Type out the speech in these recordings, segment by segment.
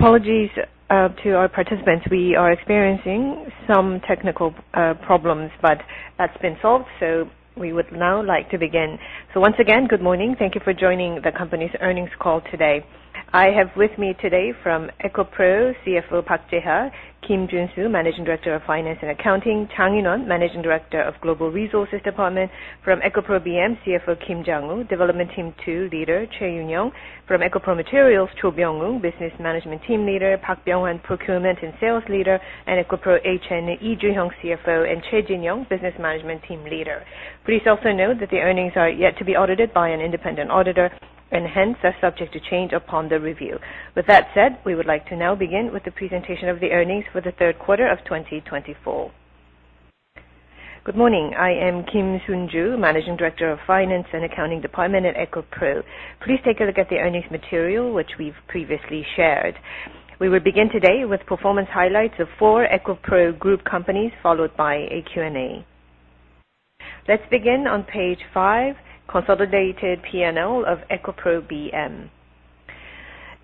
Apologies to our participants. We are experiencing some technical problems, but that's been solved, so we would now like to begin. Once again, good morning. Thank you for joining the company's earnings call today. I have with me today from EcoPro, CFO Park Jae-ha, Kim Soon-ju, Managing Director of Finance and Accounting, Jang In-won, Managing Director of Global Resources Department, from EcoPro BM, CFO Kim Jang-woo, Development Team 2 Leader Choi Eun-young, from EcoPro Materials, Cho Byung-ik, Business Management Team Leader, Park Byung-hwan, Procurement and Sales Leader, and EcoPro HN, Kim Joo-hyung, CFO, and Choi Jin-young, Business Management Team Leader. Please also note that the earnings are yet to be audited by an independent auditor and hence are subject to change upon the review. With that said, we would like to now begin with the presentation of the earnings for the third quarter of 2024. Good morning. I am Kim Soon-ju, Managing Director of the Finance and Accounting Department at EcoPro. Please take a look at the earnings material, which we've previously shared. We will begin today with performance highlights of four EcoPro Group companies, followed by a Q&A. Let's begin on page five, consolidated P&L of EcoPro BM.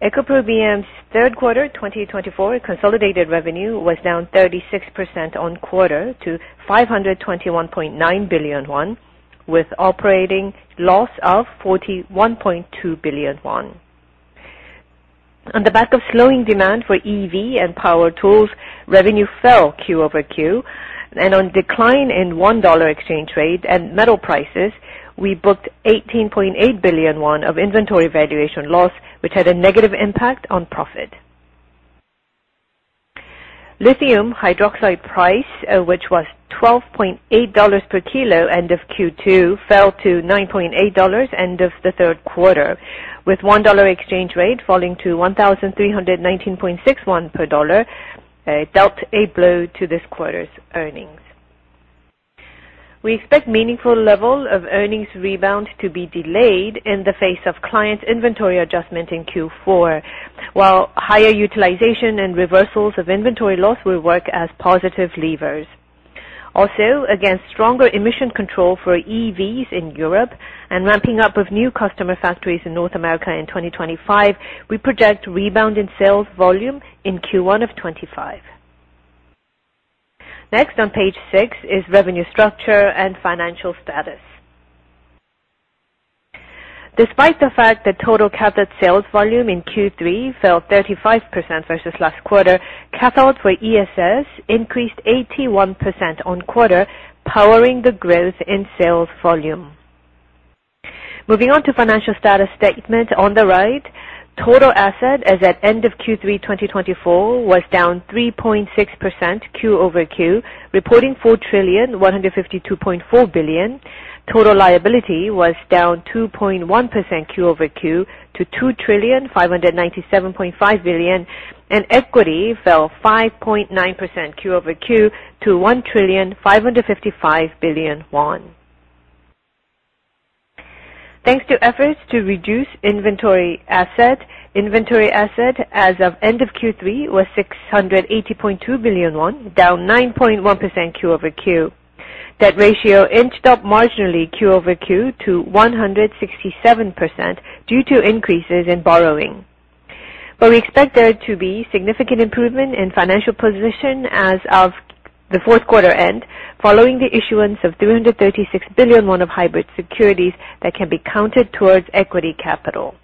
EcoPro BM's third quarter 2024 consolidated revenue was down 36% on quarter to 521.9 billion won, with operating loss of 41.2 billion won. On the back of slowing demand for EV and power tools, revenue fell Q over Q, and on decline in dollar exchange rate and metal prices, we booked 18.8 billion won of inventory valuation loss, which had a negative impact on profit. Lithium hydroxide price, which was $12.8 per kilo end of Q2, fell to $9.8 end of the third quarter, with $1 exchange rate falling to 1,319.6 KRW per dollar. This dealt a blow to this quarter's earnings. We expect meaningful levels of earnings rebound to be delayed in the face of clients' inventory adjustment in Q4, while higher utilization and reversals of inventory loss will work as positive levers. Also, against stronger emission control for EVs in Europe and ramping up with new customer factories in North America in 2025, we project rebound in sales volume in Q1 of 2025. Next on page six is revenue structure and financial status. Despite the fact that total cathode sales volume in Q3 fell 35% versus last quarter, cathodes for ESS increased 81% on quarter, powering the growth in sales volume. Moving on to financial status statement on the right, total asset as at end of Q3 2024 was down 3.6% Q over Q, reporting 4,152.4 billion. Total liability was down 2.1% Q over Q to 2,597.5 billion, and equity fell 5.9% Q over Q to 1,555 billion won. Thanks to efforts to reduce inventory asset, inventory asset as of end of Q3 was 680.2 billion won, down 9.1% Q over Q. That ratio inched up marginally Q over Q to 167% due to increases in borrowing. But we expect there to be significant improvement in financial position as of the fourth quarter end, following the issuance of 336 billion won of hybrid securities that can be counted towards equity capital.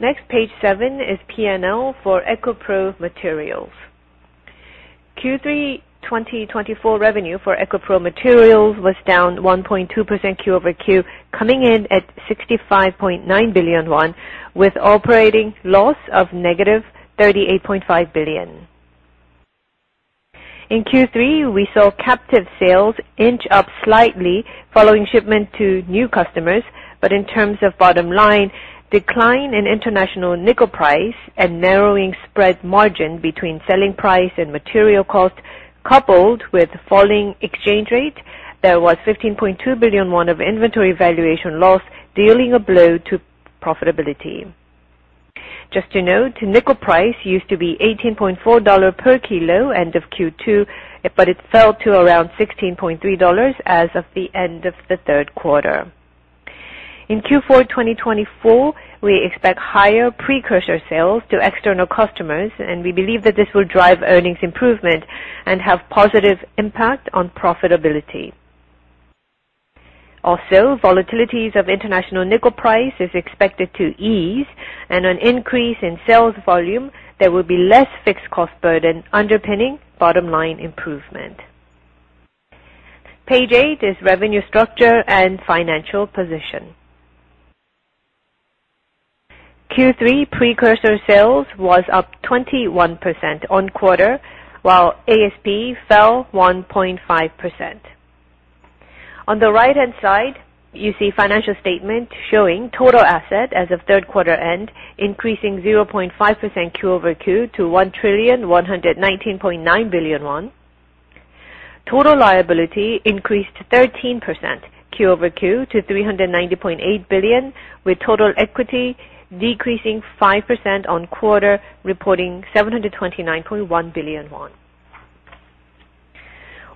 Next, page seven is P&L for EcoPro Materials. Q3 2024 revenue for EcoPro Materials was down 1.2% Q over Q, coming in at 65.9 billion won, with operating loss of negative 38.5 billion. In Q3, we saw captive sales inch up slightly following shipment to new customers, but in terms of bottom line, decline in international nickel price and narrowing spread margin between selling price and material cost, coupled with falling exchange rate, there was 15.2 billion won of inventory valuation loss, dealing a blow to profitability. Just to note, nickel price used to be $18.4 per kilo end of Q2, but it fell to around $16.3 as of the end of the third quarter. In Q4 2024, we expect higher precursor sales to external customers, and we believe that this will drive earnings improvement and have a positive impact on profitability. Also, volatilities of international nickel price are expected to ease, and an increase in sales volume, there will be less fixed cost burden underpinning bottom line improvement. Page eight is revenue structure and financial position. Q3 precursor sales was up 21% on quarter, while ASP fell 1.5%. On the right-hand side, you see financial statement showing total asset as of third quarter end, increasing 0.5% Q over Q to 1,119.9 billion won. Total liability increased 13% Q over Q to 390.8 billion, with total equity decreasing 5% on quarter, reporting 729.1 billion won.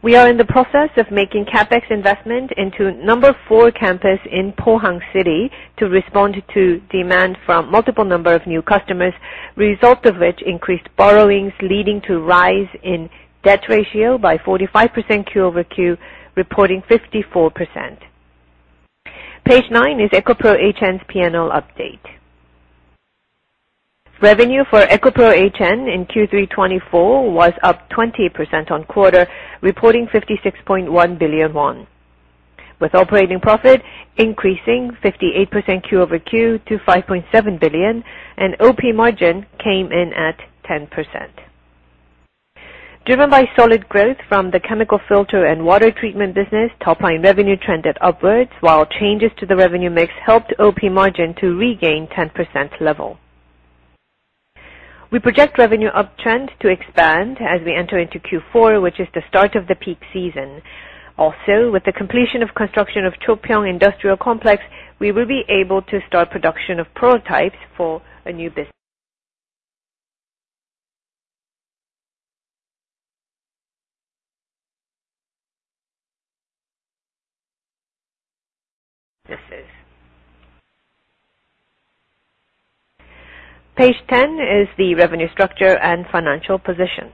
We are in the process of making CapEx investment into Campus 4 in Pohang City to respond to demand from multiple number of new customers, result of which increased borrowings leading to rise in debt ratio by 45% Q over Q, reporting 54%. Page nine is EcoPro HN's P&L update. Revenue for EcoPro HN in Q3 2024 was up 20% on quarter, reporting 56.1 billion won, with operating profit increasing 58% Q over Q to 5.7 billion KRW, and OP margin came in at 10%. Driven by solid growth from the chemical filter and water treatment business, top-line revenue trended upwards, while changes to the revenue mix helped OP margin to regain 10% level. We project revenue uptrend to expand as we enter into Q4, which is the start of the peak season. Also, with the completion of construction of Chopyeong Industrial Complex, we will be able to start production of prototypes for a new business. Page 10 is the revenue structure and financial position.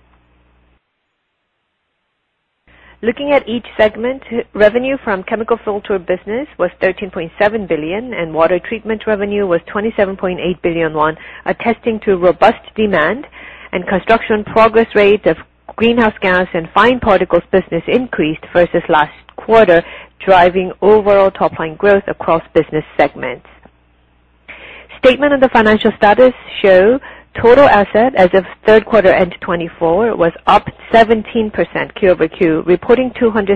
Looking at each segment, revenue from chemical filter business was 13.7 billion, and water treatment revenue was 27.8 billion won, attesting to robust demand and construction progress rate of greenhouse gas and fine particles business increased versus last quarter, driving overall top-line growth across business segments. Statement of the financial status show total asset as of third quarter end 2024 was up 17% Q over Q, reporting KRW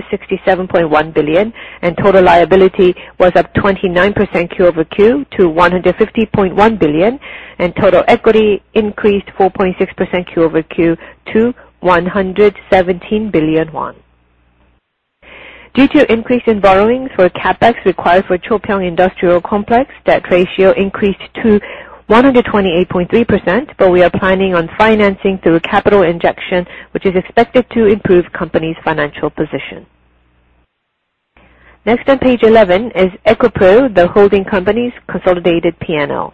267.1 billion, and total liability was up 29% Q over Q to KRW 150.1 billion, and total equity increased 4.6% Q over Q to KRW 117 billion won. Due to increase in borrowings for CapEx required for Chopyeong Industrial Complex, debt ratio increased to 128.3%, but we are planning on financing through capital injection, which is expected to improve company's financial position. Next on page 11 is EcoPro, the holding company's consolidated P&L. EcoPro's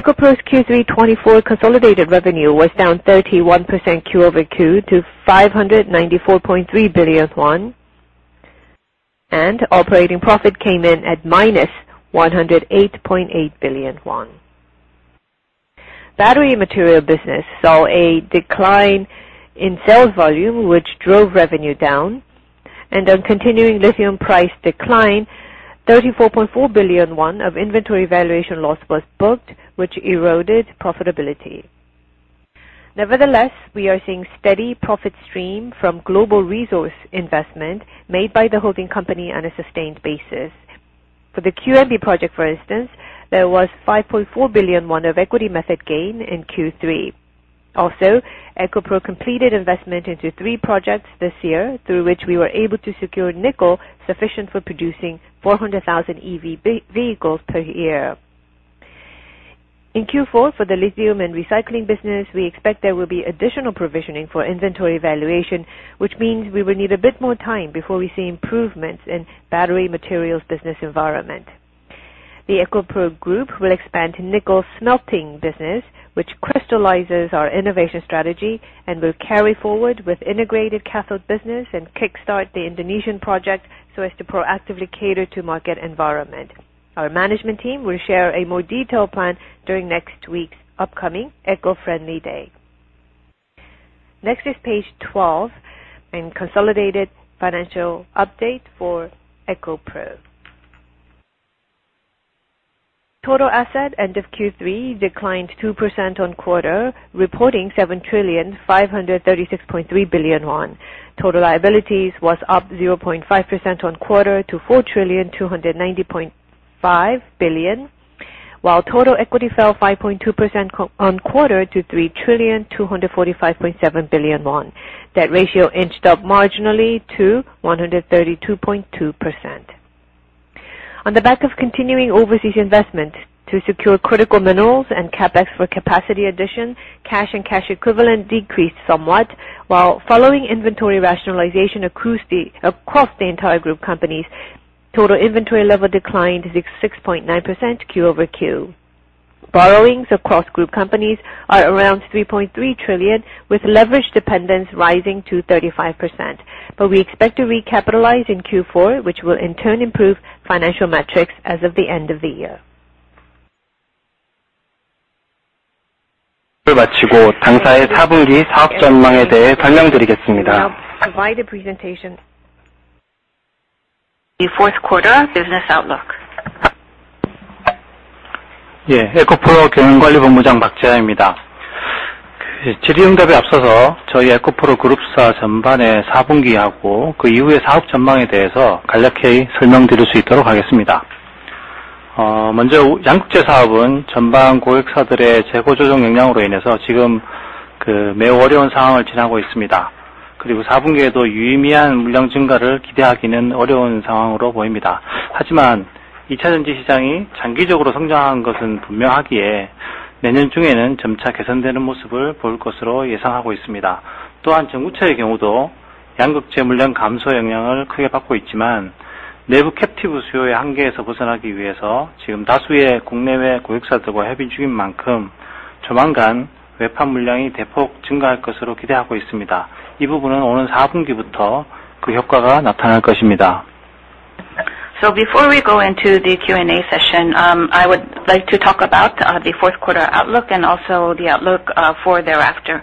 Q3 2024 consolidated revenue was down 31% Q over Q to 594.3 billion won, and operating profit came in at minus 108.8 billion won. Battery material business saw a decline in sales volume, which drove revenue down, and on continuing lithium price decline, 34.4 billion won of inventory valuation loss was booked, which eroded profitability. Nevertheless, we are seeing steady profit stream from global resource investment made by the holding company on a sustained basis. For the QMB project, for instance, there was 5.4 billion won of equity method gain in Q3. Also, EcoPro completed investment into three projects this year, through which we were able to secure nickel sufficient for producing 400,000 EV vehicles per year. In Q4, for the lithium and recycling business, we expect there will be additional provisioning for inventory valuation, which means we will need a bit more time before we see improvements in battery materials business environment. The EcoPro Group will expand nickel smelting business, which crystallizes our innovation strategy and will carry forward with integrated cathode business and kickstart the Indonesian project so as to proactively cater to market environment. Our management team will share a more detailed plan during next week's upcoming Eco-Friendly Day. Next is page 12 and consolidated financial update for EcoPro. Total asset end of Q3 declined 2% on quarter, reporting 7 trillion 536.3 billion. Total liabilities was up 0.5% on quarter to 4 trillion 290.5 billion, while total equity fell 5.2% on quarter to 3 trillion 245.7 billion. That ratio inched up marginally to 132.2%. On the back of continuing overseas investment to secure critical minerals and CapEx for capacity addition, cash and cash equivalent decreased somewhat, while following inventory rationalization across the entire group companies, total inventory level declined 6.9% Q over Q. Borrowings across group companies are around 3.3 trillion, with leverage dependence rising to 35%. But we expect to recapitalize in Q4, which will in turn improve financial metrics as of the end of the year. 마치고 당사의 4분기 사업 전망에 대해 설명드리겠습니다. Provide a presentation. The fourth quarter business outlook. 예, 에코프로 경영관리본부장 박재하입니다. 질의응답에 앞서서 저희 에코프로 그룹사 전반의 4분기하고 그 이후의 사업 전망에 대해서 간략히 설명드릴 수 있도록 하겠습니다. 먼저 양극재 사업은 전반 고객사들의 재고 조정 영향으로 인해서 지금 매우 어려운 상황을 지나고 있습니다. 그리고 4분기에도 유의미한 물량 증가를 기대하기는 어려운 상황으로 보입니다. 하지만 2차전지 시장이 장기적으로 성장한 것은 분명하기에 내년 중에는 점차 개선되는 모습을 볼 것으로 예상하고 있습니다. 또한 전구체의 경우도 양극재 물량 감소 영향을 크게 받고 있지만 내부 캡티브 수요의 한계에서 벗어나기 위해서 지금 다수의 국내외 고객사들과 협의 중인 만큼 조만간 외판 물량이 대폭 증가할 것으로 기대하고 있습니다. 이 부분은 오는 4분기부터 그 효과가 나타날 것입니다. So before we go into the Q&A session, I would like to talk about the fourth quarter outlook and also the outlook for thereafter.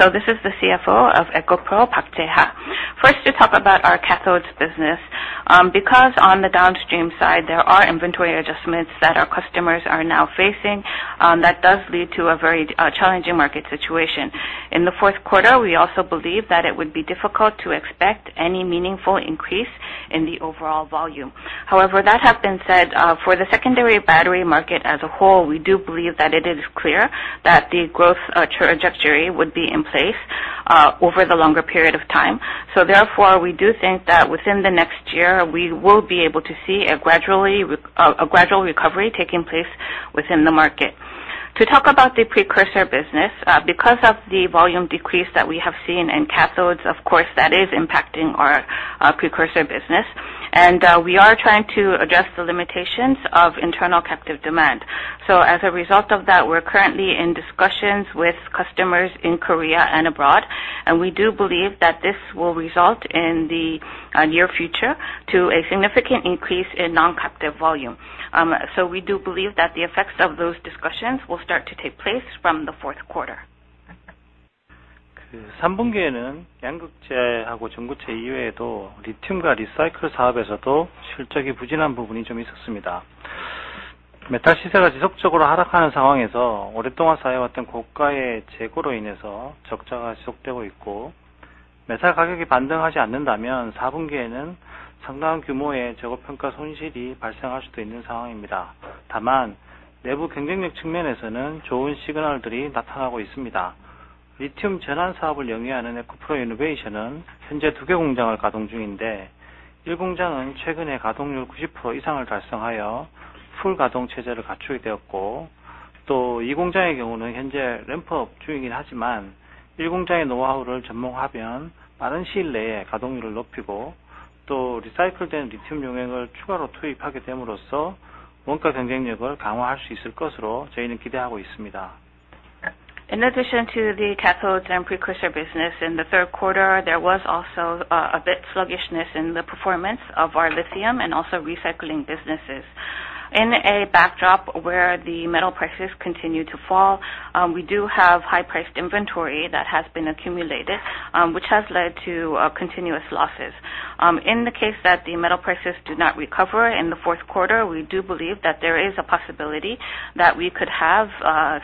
So this is the CFO of EcoPro, Park Jae-ha. First, to talk about our cathodes business. Because on the downstream side, there are inventory adjustments that our customers are now facing, that does lead to a very challenging market situation. In the fourth quarter, we also believe that it would be difficult to expect any meaningful increase in the overall volume. However, that has been said for the secondary battery market as a whole, we do believe that it is clear that the growth trajectory would be in place over the longer period of time, so therefore, we do think that within the next year, we will be able to see a gradual recovery taking place within the market. To talk about the precursor business, because of the volume decrease that we have seen in cathodes, of course, that is impacting our precursor business, and we are trying to address the limitations of internal captive demand, so as a result of that, we're currently in discussions with customers in Korea and abroad, and we do believe that this will result in the near future to a significant increase in non-captive volume, so we do believe that the effects of those discussions will start to take place from the fourth quarter. 3분기에는 양극재하고 전구체 이외에도 리튬과 리사이클 사업에서도 실적이 부진한 부분이 좀 있었습니다. 메탈 시세가 지속적으로 하락하는 상황에서 오랫동안 쌓여왔던 고가의 재고로 인해서 적자가 지속되고 있고, 메탈 가격이 반등하지 않는다면 4분기에는 상당한 규모의 재고 평가 손실이 발생할 수도 있는 상황입니다. 다만 내부 경쟁력 측면에서는 좋은 시그널들이 나타나고 있습니다. 리튬 전환 사업을 영위하는 에코프로 이노베이션은 현재 2개 공장을 가동 중인데, 1공장은 최근에 가동률 90% 이상을 달성하여 풀 가동 체제를 갖추게 되었고, 또 2공장의 경우는 현재 램프업 중이긴 하지만 1공장의 노하우를 접목하면 빠른 시일 내에 가동률을 높이고, 또 리사이클된 리튬 용액을 추가로 투입하게 됨으로써 원가 경쟁력을 강화할 수 있을 것으로 저희는 기대하고 있습니다. In addition to the cathodes and precursor business, in the third quarter, there was also a bit sluggishness in the performance of our lithium and also recycling businesses. In a backdrop where the metal prices continue to fall, we do have high-priced inventory that has been accumulated, which has led to continuous losses. In the case that the metal prices do not recover in the fourth quarter, we do believe that there is a possibility that we could have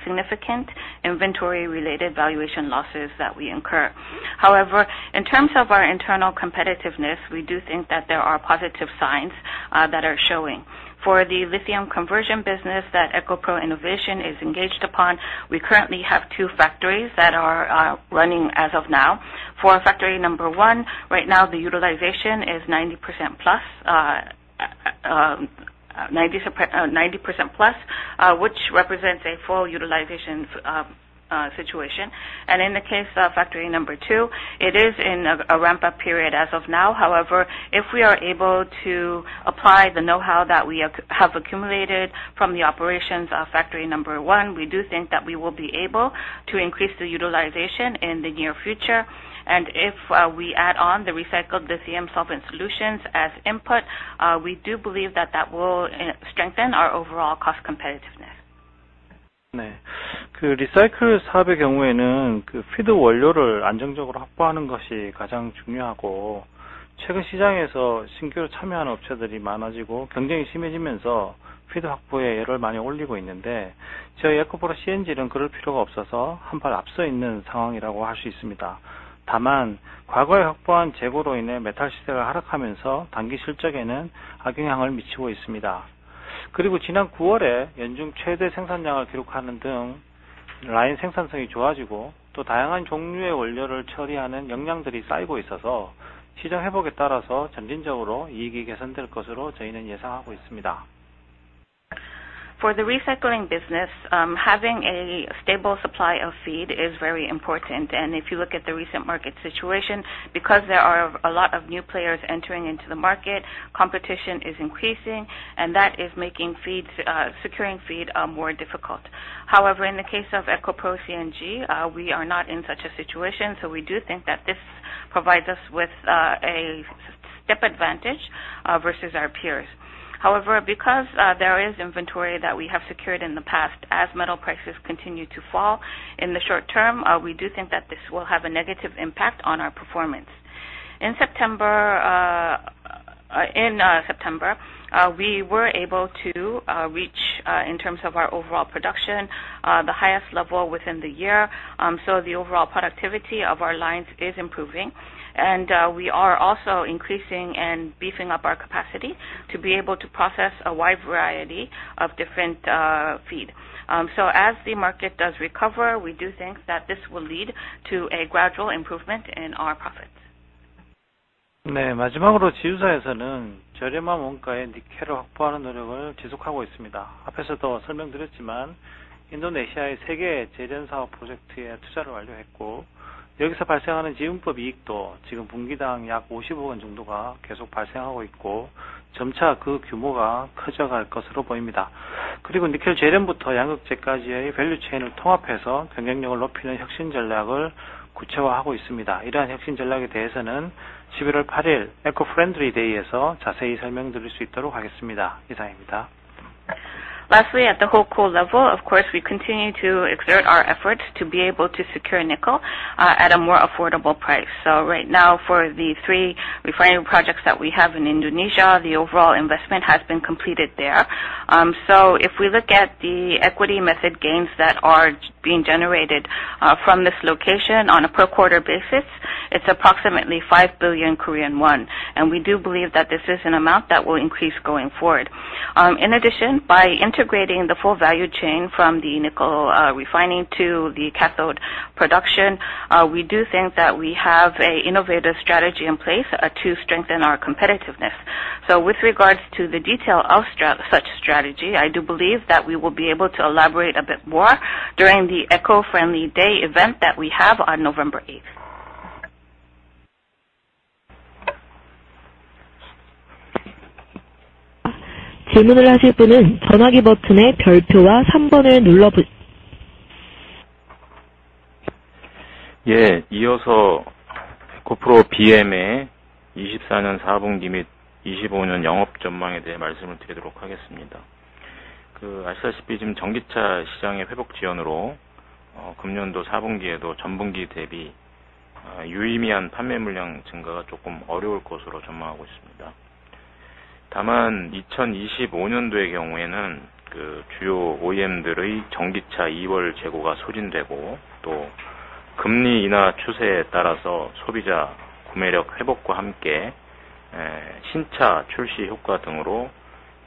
significant inventory-related valuation losses that we incur. However, in terms of our internal competitiveness, we do think that there are positive signs that are showing. For the lithium conversion business that EcoPro Innovation is engaged upon, we currently have two factories that are running as of now. For factory number one, right now the utilization is 90% plus, which represents a full utilization situation. And in the case of factory number two, it is in a ramp-up period as of now. However, if we are able to apply the know-how that we have accumulated from the operations of factory number one, we do think that we will be able to increase the utilization in the near future, and if we add on the recycled lithium solvent solutions as input, we do believe that that will strengthen our overall cost competitiveness. 네, 리사이클 사업의 경우에는 피드 원료를 안정적으로 확보하는 것이 가장 중요하고, 최근 시장에서 신규로 참여하는 업체들이 많아지고 경쟁이 심해지면서 피드 확보에 열을 많이 올리고 있는데, 저희 에코프로 C&G는 그럴 필요가 없어서 한발 앞서 있는 상황이라고 할수 있습니다. 다만 과거에 확보한 재고로 인해 메탈 시세가 하락하면서 단기 실적에는 악영향을 미치고 있습니다. 그리고 지난 9월에 연중 최대 생산량을 기록하는 등 라인 생산성이 좋아지고, 또 다양한 종류의 원료를 처리하는 역량들이 쌓이고 있어서 시장 회복에 따라서 점진적으로 이익이 개선될 것으로 저희는 예상하고 있습니다. For the recycling business, having a stable supply of feed is very important, and if you look at the recent market situation, because there are a lot of new players entering into the market, competition is increasing, and that is making securing feed more difficult. However, in the case of EcoPro CnG, we are not in such a situation, so we do think that this provides us with a step advantage versus our peers. However, because there is inventory that we have secured in the past, as metal prices continue to fall in the short term, we do think that this will have a negative impact on our performance. In September, we were able to reach, in terms of our overall production, the highest level within the year. So the overall productivity of our lines is improving, and we are also increasing and beefing up our capacity to be able to process a wide variety of different feed. So as the market does recover, we do think that this will lead to a gradual improvement in our profits. 네, 마지막으로 지우사에서는 저렴한 원가에 니켈을 확보하는 노력을 지속하고 있습니다. 앞에서도 설명드렸지만 인도네시아의 3개의 제련 사업 프로젝트에 투자를 완료했고, 여기서 발생하는 지분법 이익도 지금 분기당 약 5 billion 정도가 계속 발생하고 있고, 점차 그 규모가 커져갈 것으로 보입니다. 그리고 니켈 제련부터 양극재까지의 밸류 체인을 통합해서 경쟁력을 높이는 혁신 전략을 구체화하고 있습니다. 이러한 혁신 전략에 대해서는 11월 8일 에코프렌드리 데이에서 자세히 설명드릴 수 있도록 하겠습니다. 이상입니다. Lastly, at the HoldCo level, of course, we continue to exert our efforts to be able to secure nickel at a more affordable price. So right now, for the three refining projects that we have in Indonesia, the overall investment has been completed there. So if we look at the equity method gains that are being generated from this location on a per quarter basis, it's approximately 5 billion Korean won. And we do believe that this is an amount that will increase going forward. In addition, by integrating the full value chain from the nickel refining to the cathode production, we do think that we have an innovative strategy in place to strengthen our competitiveness. So with regards to the detail of such strategy, I do believe that we will be able to elaborate a bit more during the Eco-Friendly Day event that we have on November 8th. 질문을 하실 분은 전화기 버튼의 별표와 3번을 눌러... 예, 이어서 에코프로 BM의 24년 4분기 및 25년 영업 전망에 대해 말씀을 드리도록 하겠습니다. 아시다시피 지금 전기차 시장의 회복 지연으로 금년도 4분기에도 전분기 대비 유의미한 판매 물량 증가가 조금 어려울 것으로 전망하고 있습니다. 다만 2025년도의 경우에는 주요 OEM들의 전기차 2월 재고가 소진되고, 또 금리 인하 추세에 따라서 소비자 구매력 회복과 함께 신차 출시 효과 등으로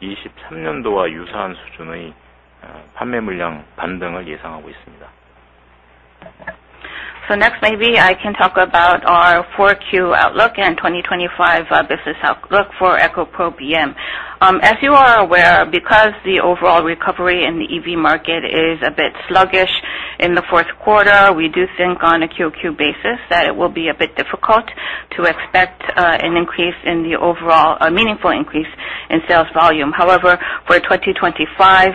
2023년도와 유사한 수준의 판매 물량 반등을 예상하고 있습니다. So next, maybe I can talk about our 4Q outlook and 2025 business outlook for EcoPro BM. As you are aware, because the overall recovery in the EV market is a bit sluggish in the fourth quarter, we do think on a QoQ basis that it will be a bit difficult to expect an increase in the overall meaningful increase in sales volume. However, for 2025,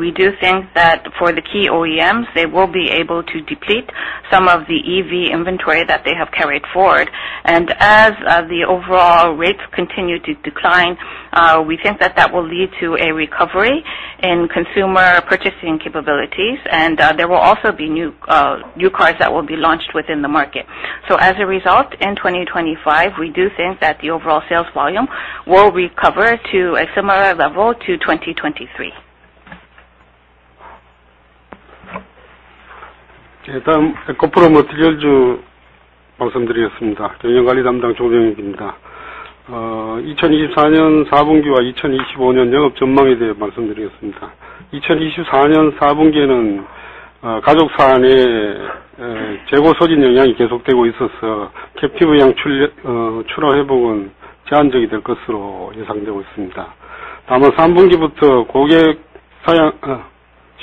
we do think that for the key OEMs, they will be able to deplete some of the EV inventory that they have carried forward. As the overall rates continue to decline, we think that that will lead to a recovery in consumer purchasing capabilities, and there will also be new cars that will be launched within the market. As a result, in 2025, we do think that the overall sales volume will recover to a similar level to 2023. 일단 에코프로 머티리얼즈 말씀드리겠습니다. 경영관리담당 조병익입니다. 2024년 4분기와 2025년 영업 전망에 대해 말씀드리겠습니다. 2024년 4분기에는 가족사안의 재고 소진 영향이 계속되고 있어서 캡티브 양 출하 회복은 제한적이 될 것으로 예상되고 있습니다. 다만 3분기부터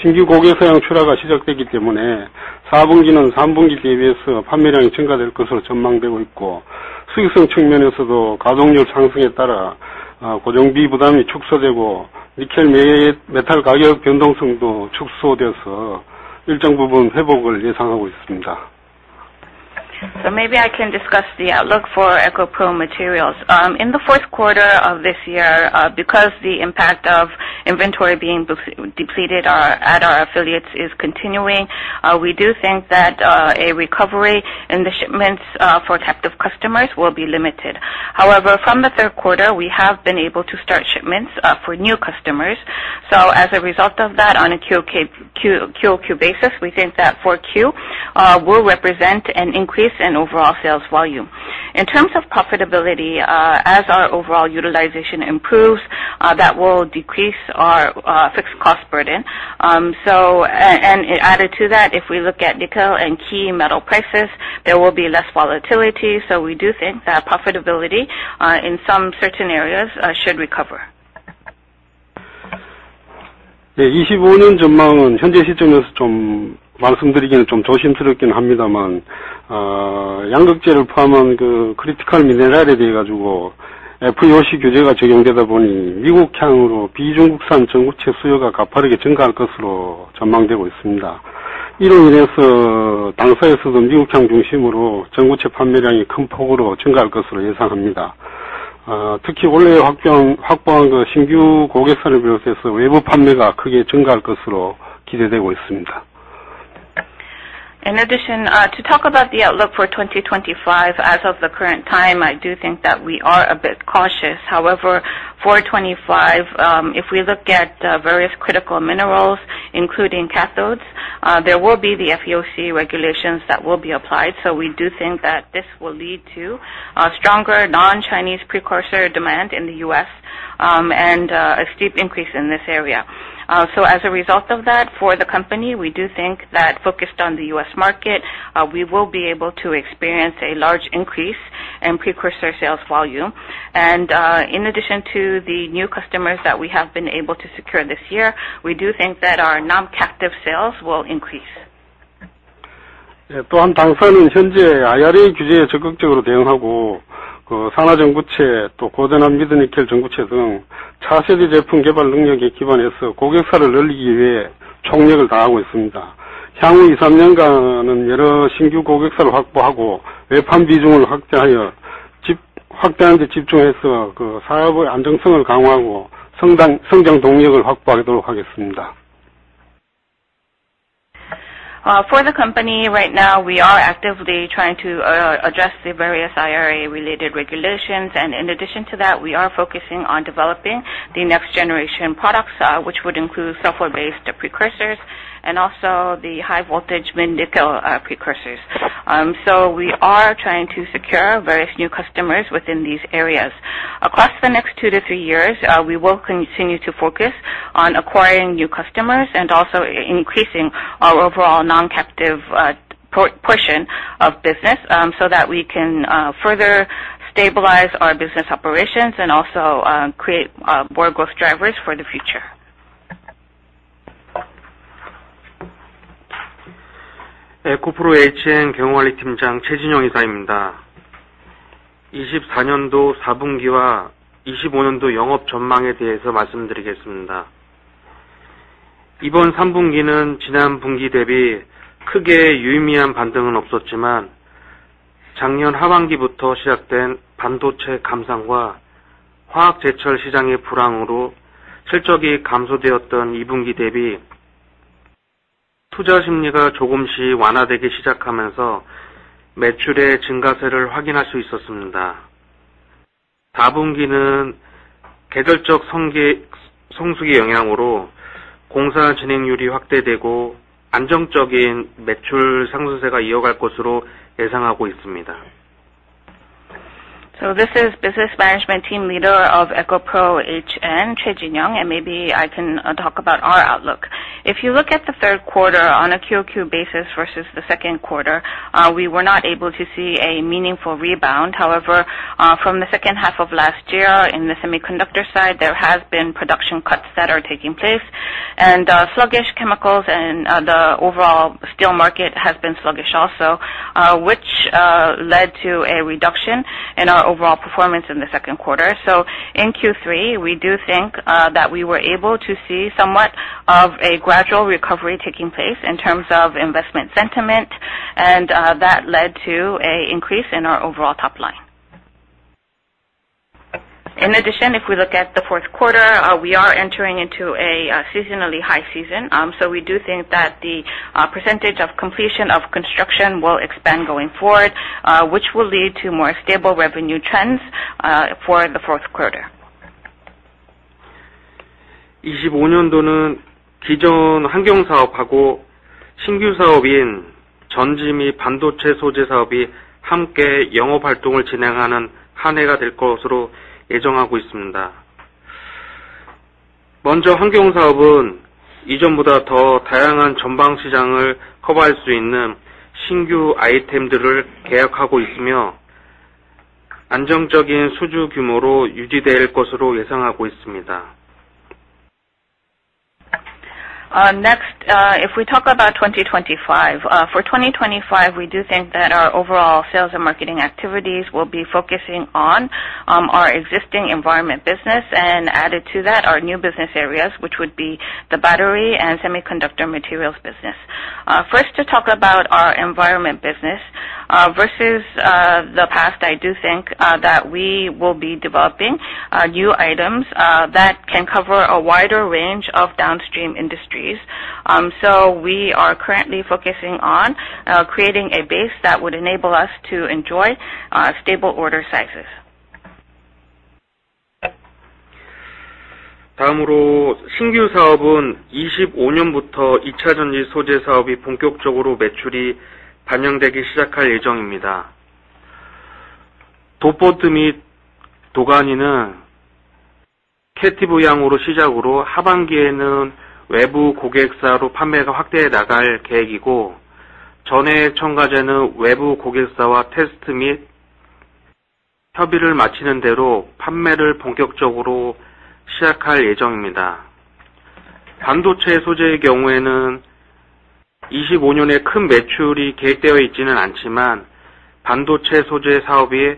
신규 고객사 양 출하가 시작됐기 때문에 4분기는 3분기 대비해서 판매량이 증가될 것으로 전망되고 있고, 수익성 측면에서도 가동률 상승에 따라 고정비 부담이 축소되고 니켈 및 메탈 가격 변동성도 축소되어서 일정 부분 회복을 예상하고 있습니다. Maybe I can discuss the outlook for EcoPro Materials. In the fourth quarter of this year, because the impact of inventory being depleted at our affiliates is continuing, we do think that a recovery in the shipments for captive customers will be limited. However, from the third quarter, we have been able to start shipments for new customers. So as a result of that, on a Q2 basis, we think that 4Q will represent an increase in overall sales volume. In terms of profitability, as our overall utilization improves, that will decrease our fixed cost burden. And added to that, if we look at nickel and key metal prices, there will be less volatility. So we do think that profitability in some certain areas should recover. 25년 전망은 현재 시점에서 좀 말씀드리기는 좀 조심스럽긴 합니다만, 양극재를 포함한 크리티컬 미네랄에 대해서 FEOC 규제가 적용되다 보니 미국향으로 비중국산 전구체 수요가 가파르게 증가할 것으로 전망되고 있습니다. 이로 인해서 당사에서도 미국향 중심으로 전구체 판매량이 큰 폭으로 증가할 것으로 예상합니다. 특히 올해 확보한 신규 고객사를 비롯해서 외부 판매가 크게 증가할 것으로 기대되고 있습니다. In addition, to talk about the outlook for 2025, as of the current time, I do think that we are a bit cautious. However, for 2025, if we look at various critical minerals, including cathodes, there will be the FEOC regulations that will be applied. So we do think that this will lead to stronger non-Chinese precursor demand in the U.S. and a steep increase in this area. As a result of that, for the company, we do think that focused on the U.S. market, we will be able to experience a large increase in precursor sales volume. And in addition to the new customers that we have been able to secure this year, we do think that our non-captive sales will increase. 또한 당사는 현재 IRA 규제에 적극적으로 대응하고 산하 전구체, 또 고전환 미드니켈 전구체 등 차세대 제품 개발 능력에 기반해서 고객사를 늘리기 위해 총력을 다하고 있습니다. 향후 2, 3년간은 여러 신규 고객사를 확보하고 외판 비중을 확대하여 확대하는 데 집중해서 사업의 안정성을 강화하고 성장 동력을 확보하도록 하겠습니다. For the company, right now we are actively trying to address the various IRA-related regulations, and in addition to that, we are focusing on developing the next generation products, which would include NCA precursors and also the high-conversion mid-nickel precursors, so we are trying to secure various new customers within these areas. Across the next two to three years, we will continue to focus on acquiring new customers and also increasing our overall non-captive portion of business so that we can further stabilize our business operations and also create more growth drivers for the future. 에코프로 HN 경영관리팀장 최진용 이사입니다. 2024년도 4분기와 2025년도 영업 전망에 대해서 말씀드리겠습니다. 이번 3분기는 지난 분기 대비 크게 유의미한 반등은 없었지만, 작년 하반기부터 시작된 반도체 감산과 화학 제철 시장의 불황으로 실적이 감소되었던 2분기 대비 투자 심리가 조금씩 완화되기 시작하면서 매출의 증가세를 확인할 수 있었습니다. 4분기는 계절적 성수기 영향으로 공사 진행률이 확대되고 안정적인 매출 상승세가 이어갈 것으로 예상하고 있습니다. So this is Business Management Team Leader of EcoPro HN, Choi Jin-young, and maybe I can talk about our outlook. If you look at the third quarter on a Q2 basis versus the second quarter, we were not able to see a meaningful rebound. However, from the second half of last year in the semiconductor side, there have been production cuts that are taking place, and sluggish chemicals and the overall steel market has been sluggish also, which led to a reduction in our overall performance in the second quarter. So in Q3, we do think that we were able to see somewhat of a gradual recovery taking place in terms of investment sentiment, and that led to an increase in our overall top line. In addition, if we look at the fourth quarter, we are entering into a seasonally high season. So we do think that the percentage of completion of construction will expand going forward, which will lead to more stable revenue trends for the fourth quarter. 2025년도는 기존 환경 사업하고 신규 사업인 전지 및 반도체 소재 사업이 함께 영업 활동을 진행하는 한 해가 될 것으로 예정하고 있습니다. 먼저 환경 사업은 이전보다 더 다양한 전방 시장을 커버할 수 있는 신규 아이템들을 계약하고 있으며, 안정적인 수주 규모로 유지될 것으로 예상하고 있습니다. Next, if we talk about 2025, for 2025, we do think that our overall sales and marketing activities will be focusing on our existing environment business, and added to that, our new business areas, which would be the battery and semiconductor materials business. First, to talk about our environment business versus the past, I do think that we will be developing new items that can cover a wider range of downstream industries. So we are currently focusing on creating a base that would enable us to enjoy stable order sizes. 다음으로 신규 사업은 25년부터 2차 전지 소재 사업이 본격적으로 매출이 반영되기 시작할 예정입니다. 도포트 및 도가니는 캡티브 양으로 시작으로 하반기에는 외부 고객사로 판매가 확대해 나갈 계획이고, 전해액 첨가제는 외부 고객사와 테스트 및 협의를 마치는 대로 판매를 본격적으로 시작할 예정입니다. 반도체 소재의 경우에는 25년에 큰 매출이 계획되어 있지는 않지만, 반도체 소재 사업이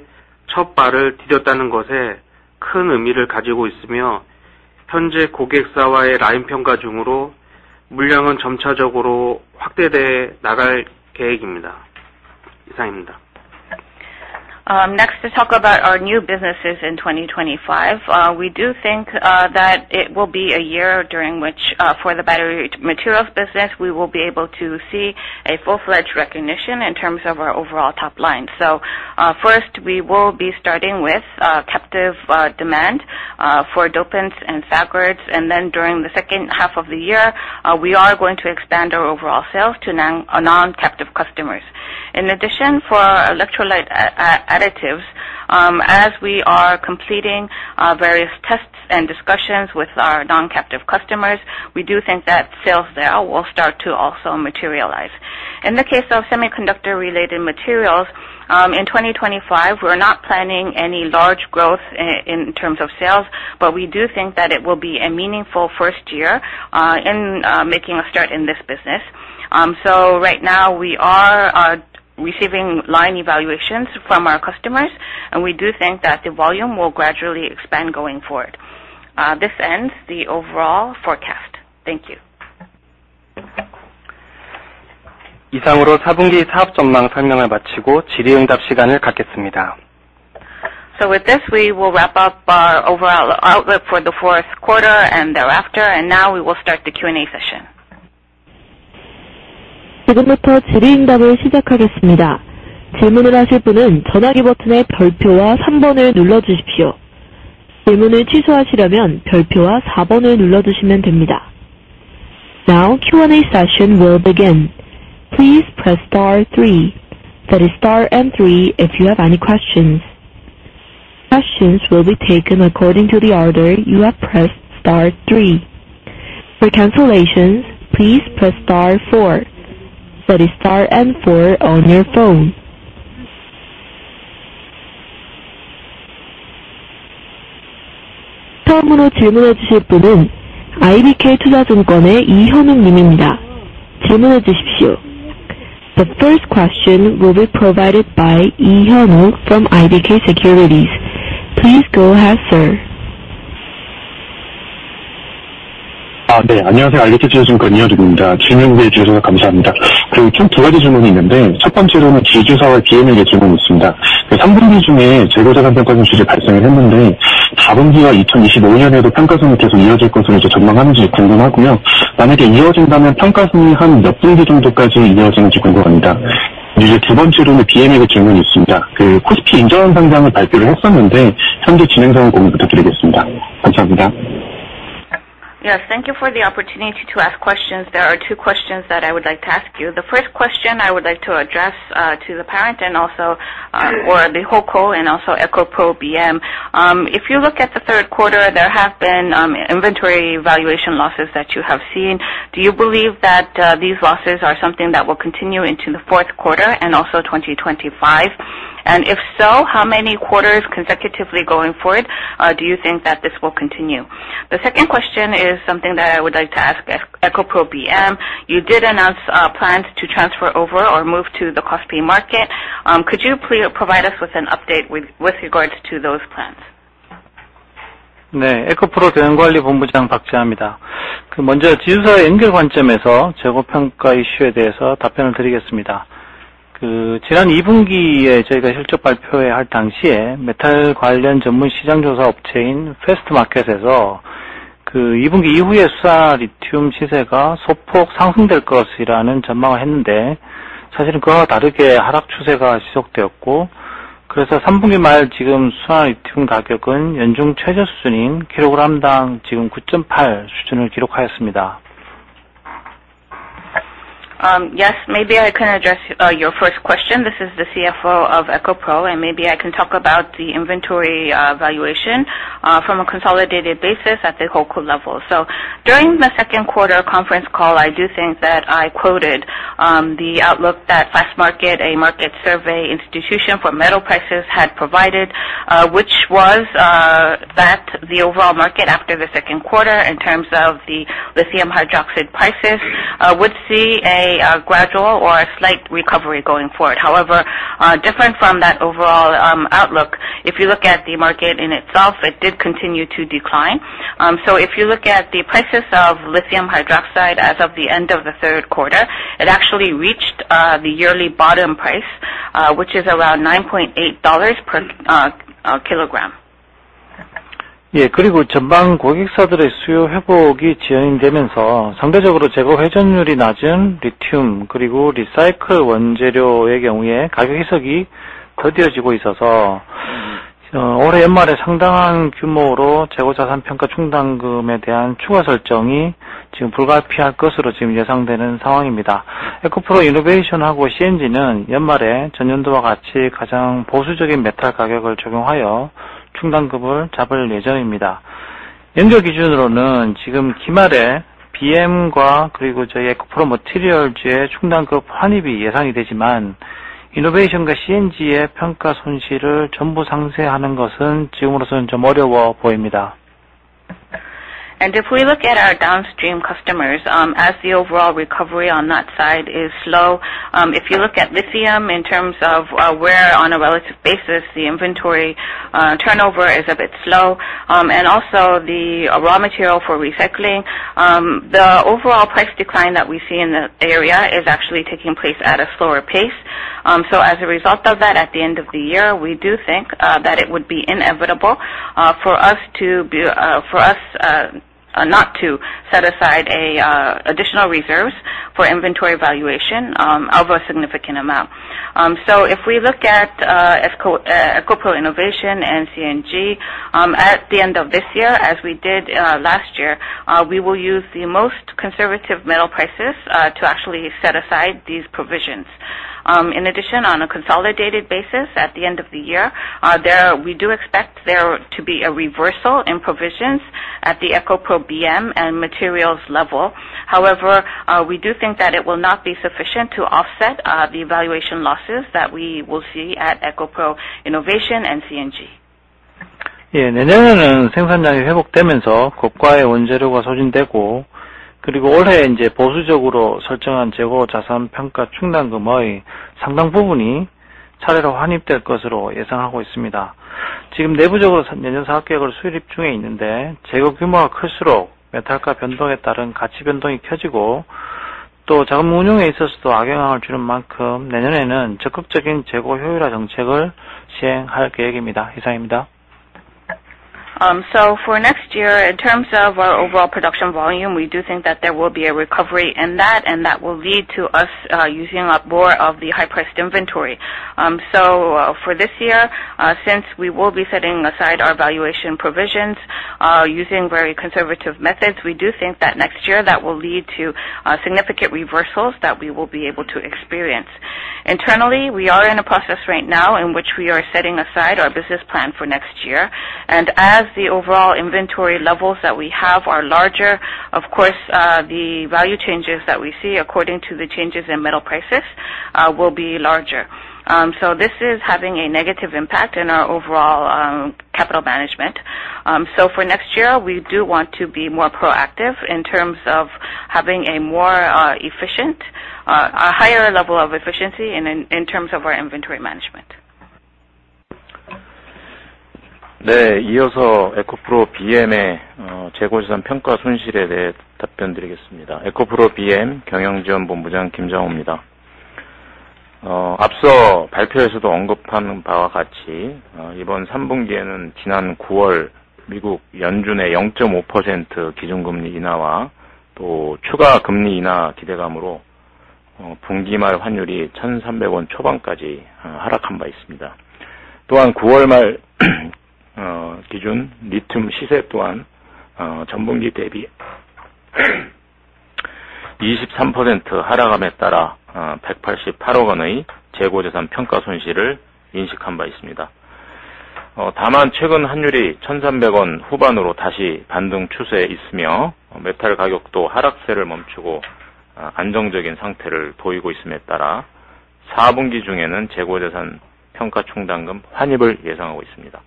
첫 발을 디뎠다는 것에 큰 의미를 가지고 있으며, 현재 고객사와의 라인 평가 중으로 물량은 점차적으로 확대돼 나갈 계획입니다. 이상입니다. Next, to talk about our new businesses in 2025, we do think that it will be a year during which, for the battery materials business, we will be able to see a full-fledged recognition in terms of our overall top line. So first, we will be starting with captive demand for dopants and saggars, and then during the second half of the year, we are going to expand our overall sales to non-captive customers. In addition, for electrolyte additives, as we are completing various tests and discussions with our non-captive customers, we do think that sales there will start to also materialize. In the case of semiconductor-related materials, in 2025, we're not planning any large growth in terms of sales, but we do think that it will be a meaningful first year in making a start in this business. So right now, we are receiving line evaluations from our customers, and we do think that the volume will gradually expand going forward. This ends the overall forecast. Thank you. 이상으로 4분기 사업 전망 설명을 마치고 질의응답 시간을 갖겠습니다. So with this, we will wrap up our overall outlook for the fourth quarter and thereafter, and now we will start the Q&A session. 지금부터 질의응답을 시작하겠습니다. 질문을 하실 분은 전화기 버튼의 별표와 3번을 눌러주십시오. 질문을 취소하시려면 별표와 4번을 눌러주시면 됩니다. Now, Q&A session will begin. Please press star 3. That is star 3 if you have any questions. Questions will be taken according to the order you have pressed star 3. For cancellations, please press star 4. That is star M4 on your phone. 다음으로 질문해 주실 분은 IBK 투자증권의 이현욱 님입니다. 질문해 주십시오. The first question will be provided by Lee Hyun-wook from IBK Investment & Securities. Please go ahead, sir. 네, 안녕하세요. IBK 투자증권 이현욱입니다. 질문해 주셔서 감사합니다. 그리고 총두 가지 질문이 있는데, 첫 번째로는 지주사와 EcoPro Materials 질문이 있습니다. 3분기 중에 재고자산 평가 손실이 발생을 했는데, 4분기와 2025년에도 평가 손실이 계속 이어질 것으로 전망하는지 궁금하고요. 만약에 이어진다면 평가 손실이 한몇 분기 정도까지 이어지는지 궁금합니다. 그리고 두 번째로는 BMA 질문이 있습니다. 코스피 인정한 상장을 발표를 했었는데, 현재 진행 상황을 공유 부탁드리겠습니다. 감사합니다. Yes, thank you for the opportunity to ask questions. There are two questions that I would like to ask you. The first question I would like to address to the parent and also EcoPro Materials and also EcoPro BM. If you look at the third quarter, there have been inventory valuation losses that you have seen. Do you believe that these losses are something that will continue into the fourth quarter and also 2025? and if so, how many quarters consecutively going forward do you think that this will continue? The second question is something that I would like to ask EcoPro BM. You did announce plans to transfer over or move to the KOSPI market. Could you provide us with an update with regards to those plans? 네, 에코프로 대응관리본부장 박재하입니다. 먼저 지주사의 연결 관점에서 재고 평가 이슈에 대해서 답변을 드리겠습니다. 지난 2분기에 저희가 실적 발표할 당시에 메탈 관련 전문 시장 조사 업체인 패스트마켓에서 2분기 이후에 수산화 리튬 시세가 소폭 상승될 것이라는 전망을 했는데, 사실은 그와 다르게 하락 추세가 지속되었고, 그래서 3분기 말 지금 수산화 리튬 가격은 연중 최저 수준인 kg당 지금 $9.8 수준을 기록하였습니다. Yes, maybe I can address your first question. This is the CFO of EcoPro, and maybe I can talk about the inventory valuation from a consolidated basis at the whole call level. So during the second quarter conference call, I do think that I quoted the outlook that Fastmarkets, a market survey institution for metal prices, had provided, which was that the overall market after the second quarter in terms of the lithium hydroxide prices would see a gradual or a slight recovery going forward. However, different from that overall outlook, if you look at the market in itself, it did continue to decline. So if you look at the prices of lithium hydroxide as of the end of the third quarter, it actually reached the yearly bottom price, which is around $9.8 per kilogram. 그리고 전방 고객사들의 수요 회복이 진행되면서 상대적으로 재고 회전율이 낮은 리튬 그리고 리사이클 원재료의 경우에 가격 희석이 더뎌지고 있어서 올해 연말에 상당한 규모로 재고 자산 평가 충당금에 대한 추가 설정이 지금 불가피할 것으로 지금 예상되는 상황입니다. 에코프로 이노베이션하고 C&G는 연말에 전년도와 같이 가장 보수적인 메탈 가격을 적용하여 충당금을 잡을 예정입니다. 연결 기준으로는 지금 기말에 BM과 그리고 저희 에코프로 머티리얼즈의 충당금 환입이 예상이 되지만 이노베이션과 C&G의 평가 손실을 전부 상쇄하는 것은 지금으로서는 좀 어려워 보입니다. If we look at our downstream customers, as the overall recovery on that side is slow. If you look at lithium in terms of where on a relative basis the inventory turnover is a bit slow, and also the raw material for recycling, the overall price decline that we see in the area is actually taking place at a slower pace. So as a result of that, at the end of the year, we do think that it would be inevitable for us to not set aside additional reserves for inventory valuation of a significant amount. So if we look at EcoPro Innovation and C&G, at the end of this year, as we did last year, we will use the most conservative metal prices to actually set aside these provisions. In addition, on a consolidated basis at the end of the year, we do expect there to be a reversal in provisions at the EcoPro BM and EcoPro Materials level. However, we do think that it will not be sufficient to offset the valuation losses that we will see at EcoPro Innovation and C&G. 내년에는 생산량이 회복되면서 고가의 원재료가 소진되고, 그리고 올해 보수적으로 설정한 재고 자산 평가 충당금의 상당 부분이 차례로 환입될 것으로 예상하고 있습니다. 지금 내부적으로 내년 사업 계획을 수립 중에 있는데, 재고 규모가 클수록 메탈가 변동에 따른 가치 변동이 커지고, 또 자금 운용에 있어서도 악영향을 주는 만큼 내년에는 적극적인 재고 효율화 정책을 시행할 계획입니다. 이상입니다. So for next year, in terms of our overall production volume, we do think that there will be a recovery in that, and that will lead to us using up more of the high-priced inventory. So for this year, since we will be setting aside our valuation provisions using very conservative methods, we do think that next year that will lead to significant reversals that we will be able to experience. Internally, we are in a process right now in which we are setting aside our business plan for next year, and as the overall inventory levels that we have are larger, of course, the value changes that we see according to the changes in metal prices will be larger. So this is having a negative impact on our overall capital management. So for next year, we do want to be more proactive in terms of having a more efficient, a higher level of efficiency in terms of our inventory management. 이어서 에코프로 BM의 재고 자산 평가 손실에 대해 답변드리겠습니다. 에코프로 BM 경영 지원 본부장 김장우입니다. 앞서 발표에서도 언급한 바와 같이 이번 3분기에는 지난 9월 미국 연준의 0.5% 기준 금리 인하와 또 추가 금리 인하 기대감으로 분기 말 환율이 1,300 KRW 초반까지 하락한 바 있습니다. 또한 9월 말 기준 리튬 시세 또한 전분기 대비 23% 하락함에 따라 188억 원의 재고 자산 평가 손실을 인식한 바 있습니다. 다만 최근 환율이 1,300원 후반으로 다시 반등 추세에 있으며, 메탈 가격도 하락세를 멈추고 안정적인 상태를 보이고 있음에 따라 4분기 중에는 재고 자산 평가 충당금 환입을 예상하고 있습니다.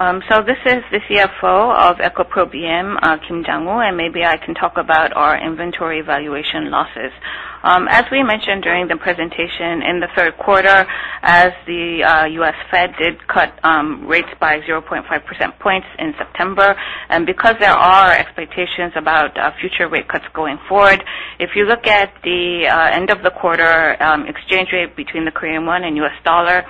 So this is the CFO of EcoPro BM, Kim Jang-woo, and maybe I can talk about our inventory valuation losses. As we mentioned during the presentation in the third quarter, as the U.S. Fed did cut rates by 0.5% points in September, and because there are expectations about future rate cuts going forward, if you look at the end of the quarter exchange rate between the Korean won and U.S. dollar,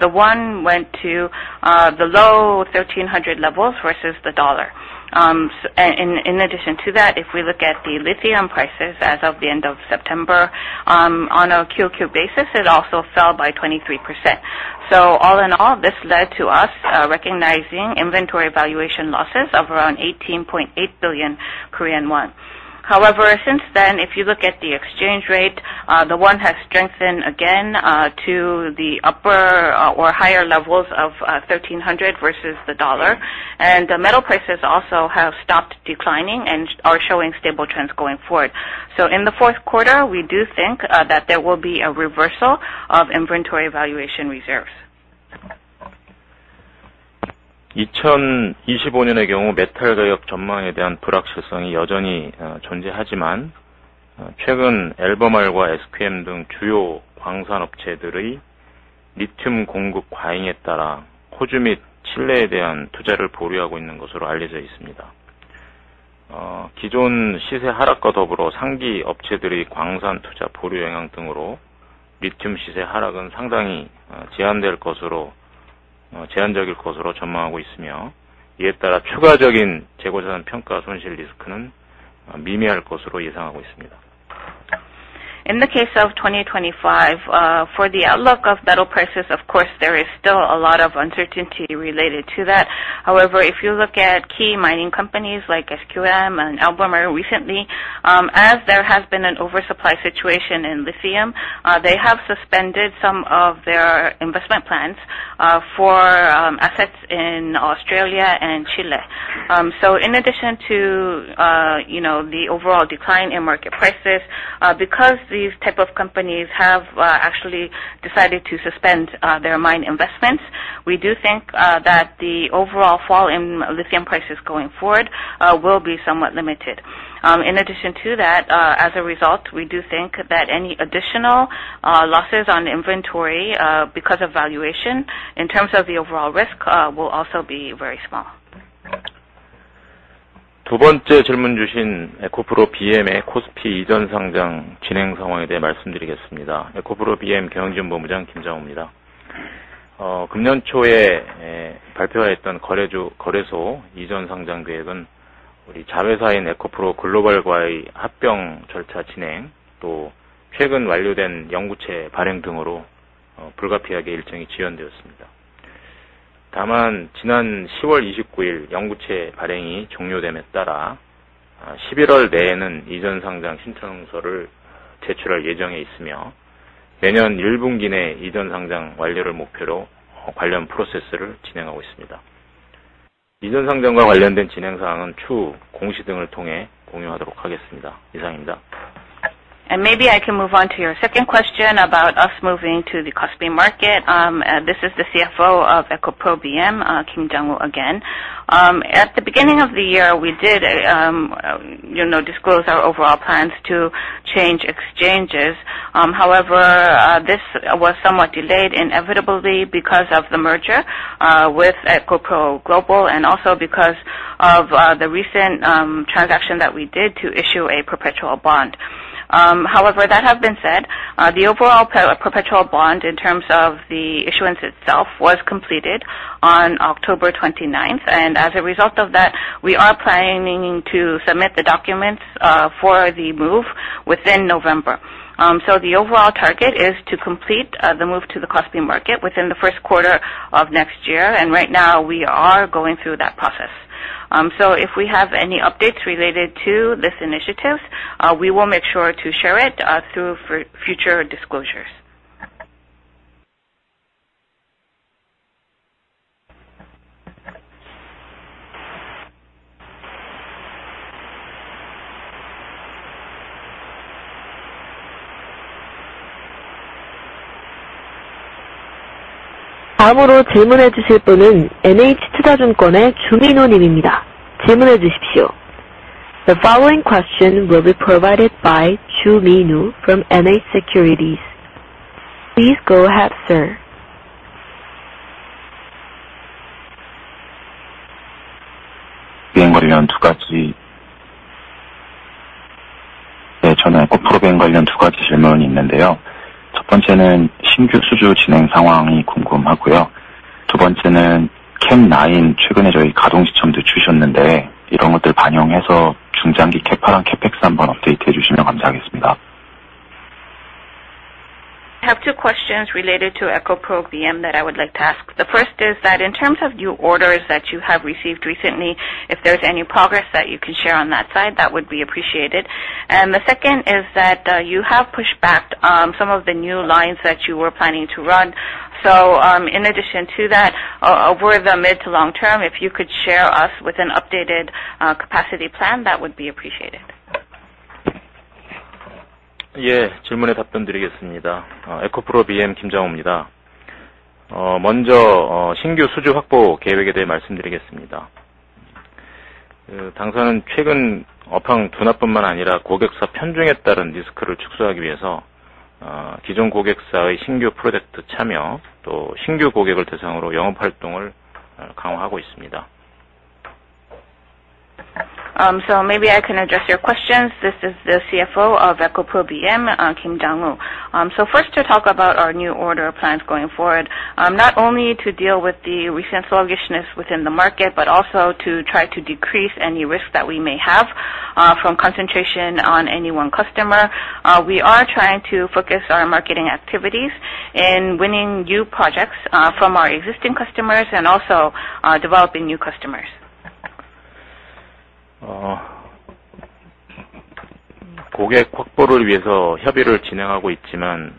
the won went to the low 1,300 levels versus the dollar. In addition to that, if we look at the lithium prices as of the end of September, on a QQ basis, it also fell by 23%. So all in all, this led to us recognizing inventory valuation losses of around 18.8 billion Korean won. However, since then, if you look at the exchange rate, the won has strengthened again to the upper or higher levels of 1,300 versus the dollar, and the metal prices also have stopped declining and are showing stable trends going forward. So in the fourth quarter, we do think that there will be a reversal of inventory valuation reserves. 2025년의 경우 메탈 가격 전망에 대한 불확실성이 여전히 존재하지만, 최근 Albemarle와 SQM 등 주요 광산 업체들의 리튬 공급 과잉에 따라 호주 및 칠레에 대한 투자를 보류하고 있는 것으로 알려져 있습니다. 기존 시세 하락과 더불어 상기 업체들의 광산 투자 보류 영향 등으로 리튬 시세 하락은 상당히 제한적일 것으로 전망하고 있으며, 이에 따라 추가적인 재고 자산 평가 손실 리스크는 미미할 것으로 예상하고 있습니다. In the case of 2025, for the outlook of metal prices, of course, there is still a lot of uncertainty related to that. However, if you look at key mining companies like SQM and Albemarle recently, as there has been an oversupply situation in lithium, they have suspended some of their investment plans for assets in Australia and Chile. So in addition to the overall decline in market prices, because these types of companies have actually decided to suspend their mine investments, we do think that the overall fall in lithium prices going forward will be somewhat limited. In addition to that, as a result, we do think that any additional losses on inventory because of valuation in terms of the overall risk will also be very small. 두 번째 질문 주신 에코프로 BM의 코스피 이전 상장 진행 상황에 대해 말씀드리겠습니다. 에코프로 BM 경영 지원 본부장 김장우입니다. 금년 초에 발표하였던 거래소 이전 상장 계획은 자회사인 에코프로 글로벌과의 합병 절차 진행, 또 최근 완료된 영구채 발행 등으로 불가피하게 일정이 지연되었습니다. 다만 지난 10월 29일 영구채 발행이 종료됨에 따라 11월 내에는 이전 상장 신청서를 제출할 예정에 있으며, 내년 1분기 내 이전 상장 완료를 목표로 관련 프로세스를 진행하고 있습니다. 이전 상장과 관련된 진행 사항은 추후 공시 등을 통해 공유하도록 하겠습니다. 이상입니다. And maybe I can move on to your second question about us moving to the Kospi market. This is the CFO of EcoPro BM, Kim Jang-woo, again. At the beginning of the year, we did disclose our overall plans to change exchanges. However, this was somewhat delayed inevitably because of the merger with EcoPro Global and also because of the recent transaction that we did to issue a perpetual bond. However, that has been said, the overall perpetual bond in terms of the issuance itself was completed on October 29th, and as a result of that, we are planning to submit the documents for the move within November. So the overall target is to complete the move to the KOSPI market within the first quarter of next year, and right now we are going through that process. So if we have any updates related to this initiative, we will make sure to share it through future disclosures. 다음으로 질문해 주실 분은 NH Investment & Securities의 Joo Min-woo 님입니다. 질문해 주십시오. The following question will be provided by Joo Min-woo from NH Investment & Securities. Please go ahead, sir. BM 관련 두 가지, 네, 저는 에코프로 BM 관련 두 가지 질문이 있는데요. 첫 번째는 신규 수주 진행 상황이 궁금하고요. 두 번째는 CAM9, 최근에 저희 가동 시점도 주셨는데 이런 것들 반영해서 중장기 CAM8랑 CapEx 한번 업데이트해 주시면 감사하겠습니다. I have two questions related to EcoPro BM that I would like to ask. The first is that in terms of new orders that you have received recently, if there's any progress that you can share on that side, that would be appreciated. And the second is that you have pushed back some of the new lines that you were planning to run. So in addition to that, over the mid to long term, if you could share us with an updated capacity plan, that would be appreciated. 예, 질문에 답변드리겠습니다. 에코프로 BM 김장우입니다. 먼저 신규 수주 확보 계획에 대해 말씀드리겠습니다. 당사는 최근 업황 둔화뿐만 아니라 고객사 편중에 따른 리스크를 축소하기 위해서 기존 고객사의 신규 프로젝트 참여, 또 신규 고객을 대상으로 영업 활동을 강화하고 있습니다. So maybe I can address your questions. This is the CFO of EcoPro BM, Kim Jang-woo. So first to talk about our new order plans going forward, not only to deal with the recent sluggishness within the market, but also to try to decrease any risk that we may have from concentration on any one customer. We are trying to focus our marketing activities in winning new projects from our existing customers and also developing new customers. 고객 확보를 위해서 협의를 진행하고 있지만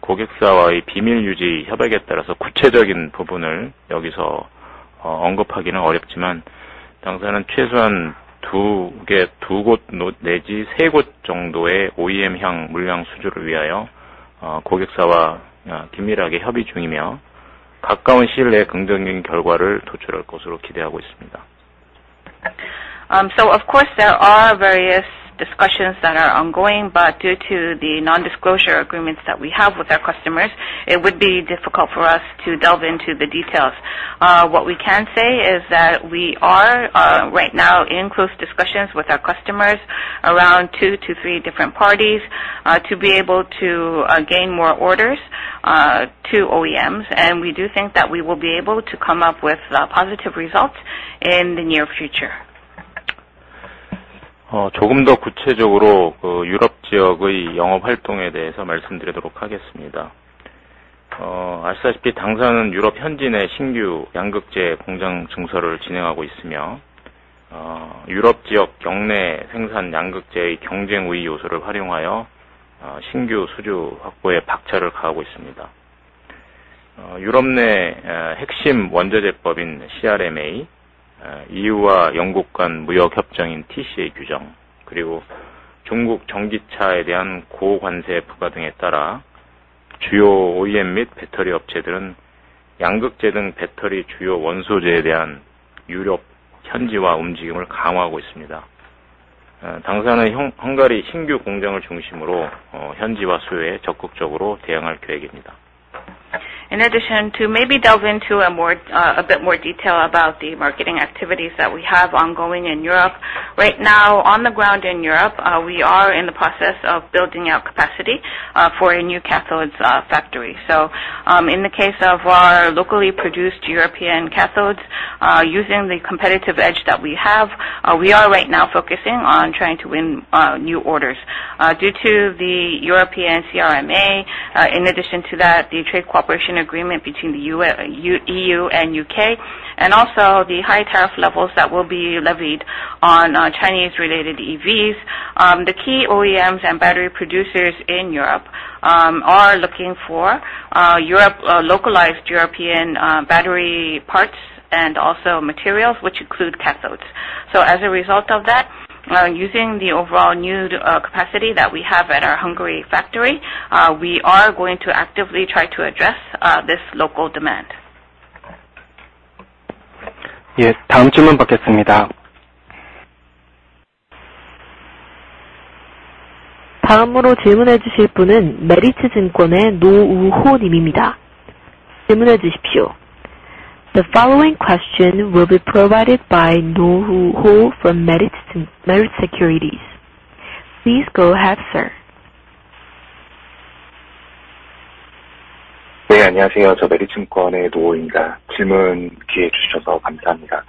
고객사와의 비밀 유지 협약에 따라서 구체적인 부분을 여기서 언급하기는 어렵지만 당사는 최소한 두곳 내지 세곳 정도의 OEM향 물량 수주를 위하여 고객사와 긴밀하게 협의 중이며 가까운 시일 내에 긍정적인 결과를 도출할 것으로 기대하고 있습니다. So of course there are various discussions that are ongoing, but due to the non-disclosure agreements that we have with our customers, it would be difficult for us to delve into the details. What we can say is that we are right now in close discussions with our customers around two to three different parties to be able to gain more orders to OEMs, and we do think that we will be able to come up with positive results in the near future. 조금 더 구체적으로 유럽 지역의 영업 활동에 대해서 말씀드리도록 하겠습니다. 아시다시피 당사는 유럽 현지 내 신규 양극재 공장 증설을 진행하고 있으며 유럽 지역 역내 생산 양극재의 경쟁 우위 요소를 활용하여 신규 수주 확보에 박차를 가하고 있습니다. 유럽 내 핵심 원자재법인 CRMA, EU와 영국 간 무역 협정인 TCA 규정, 그리고 중국 전기차에 대한 고관세 부과 등에 따라 주요 OEM 및 배터리 업체들은 양극재 등 배터리 주요 원소재에 대한 유럽 현지화 움직임을 강화하고 있습니다. 당사는 헝가리 신규 공장을 중심으로 현지화 수요에 적극적으로 대응할 계획입니다. In addition to maybe delve into a bit more detail about the marketing activities that we have ongoing in Europe, right now on the ground in Europe, we are in the process of building out capacity for a new cathode factory. So in the case of our locally produced European cathodes, using the competitive edge that we have, we are right now focusing on trying to win new orders. Due to the European CRMA, in addition to that, the trade cooperation agreement between the EU and U.K., and also the high tariff levels that will be levied on Chinese-related EVs, the key OEMs and battery producers in Europe are looking for localized European battery parts and also materials, which include cathodes. So as a result of that, using the overall new capacity that we have at our Hungary factory, we are going to actively try to address this local demand. 예, 다음 질문 받겠습니다. 다음으로 질문해 주실 분은 메리츠증권의 노우호 님입니다. 질문해 주십시오. The following question will be provided by Noh Woo-ho from Meritz Securities. Please go ahead, sir. 네, 안녕하세요. 저 메리츠증권의 노호우입니다. 질문 기회 주셔서 감사합니다.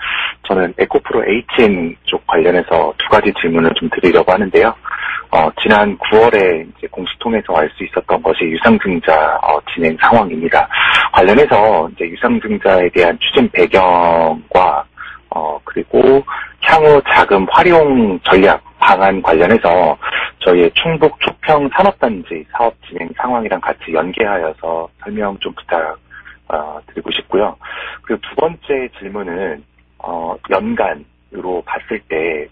저는 에코프로 HN 쪽 관련해서 두 가지 질문을 좀 드리려고 하는데요. 지난 9월에 공식 통해서 알수 있었던 것이 유상증자 진행 상황입니다. 관련해서 유상증자에 대한 추진 배경과 그리고 향후 자금 활용 전략 방안 관련해서 저희의 충북 초평 산업단지 사업 진행 상황이랑 같이 연계하여서 설명 좀 부탁드리고 싶고요. 그리고 두 번째 질문은 연간으로 봤을 때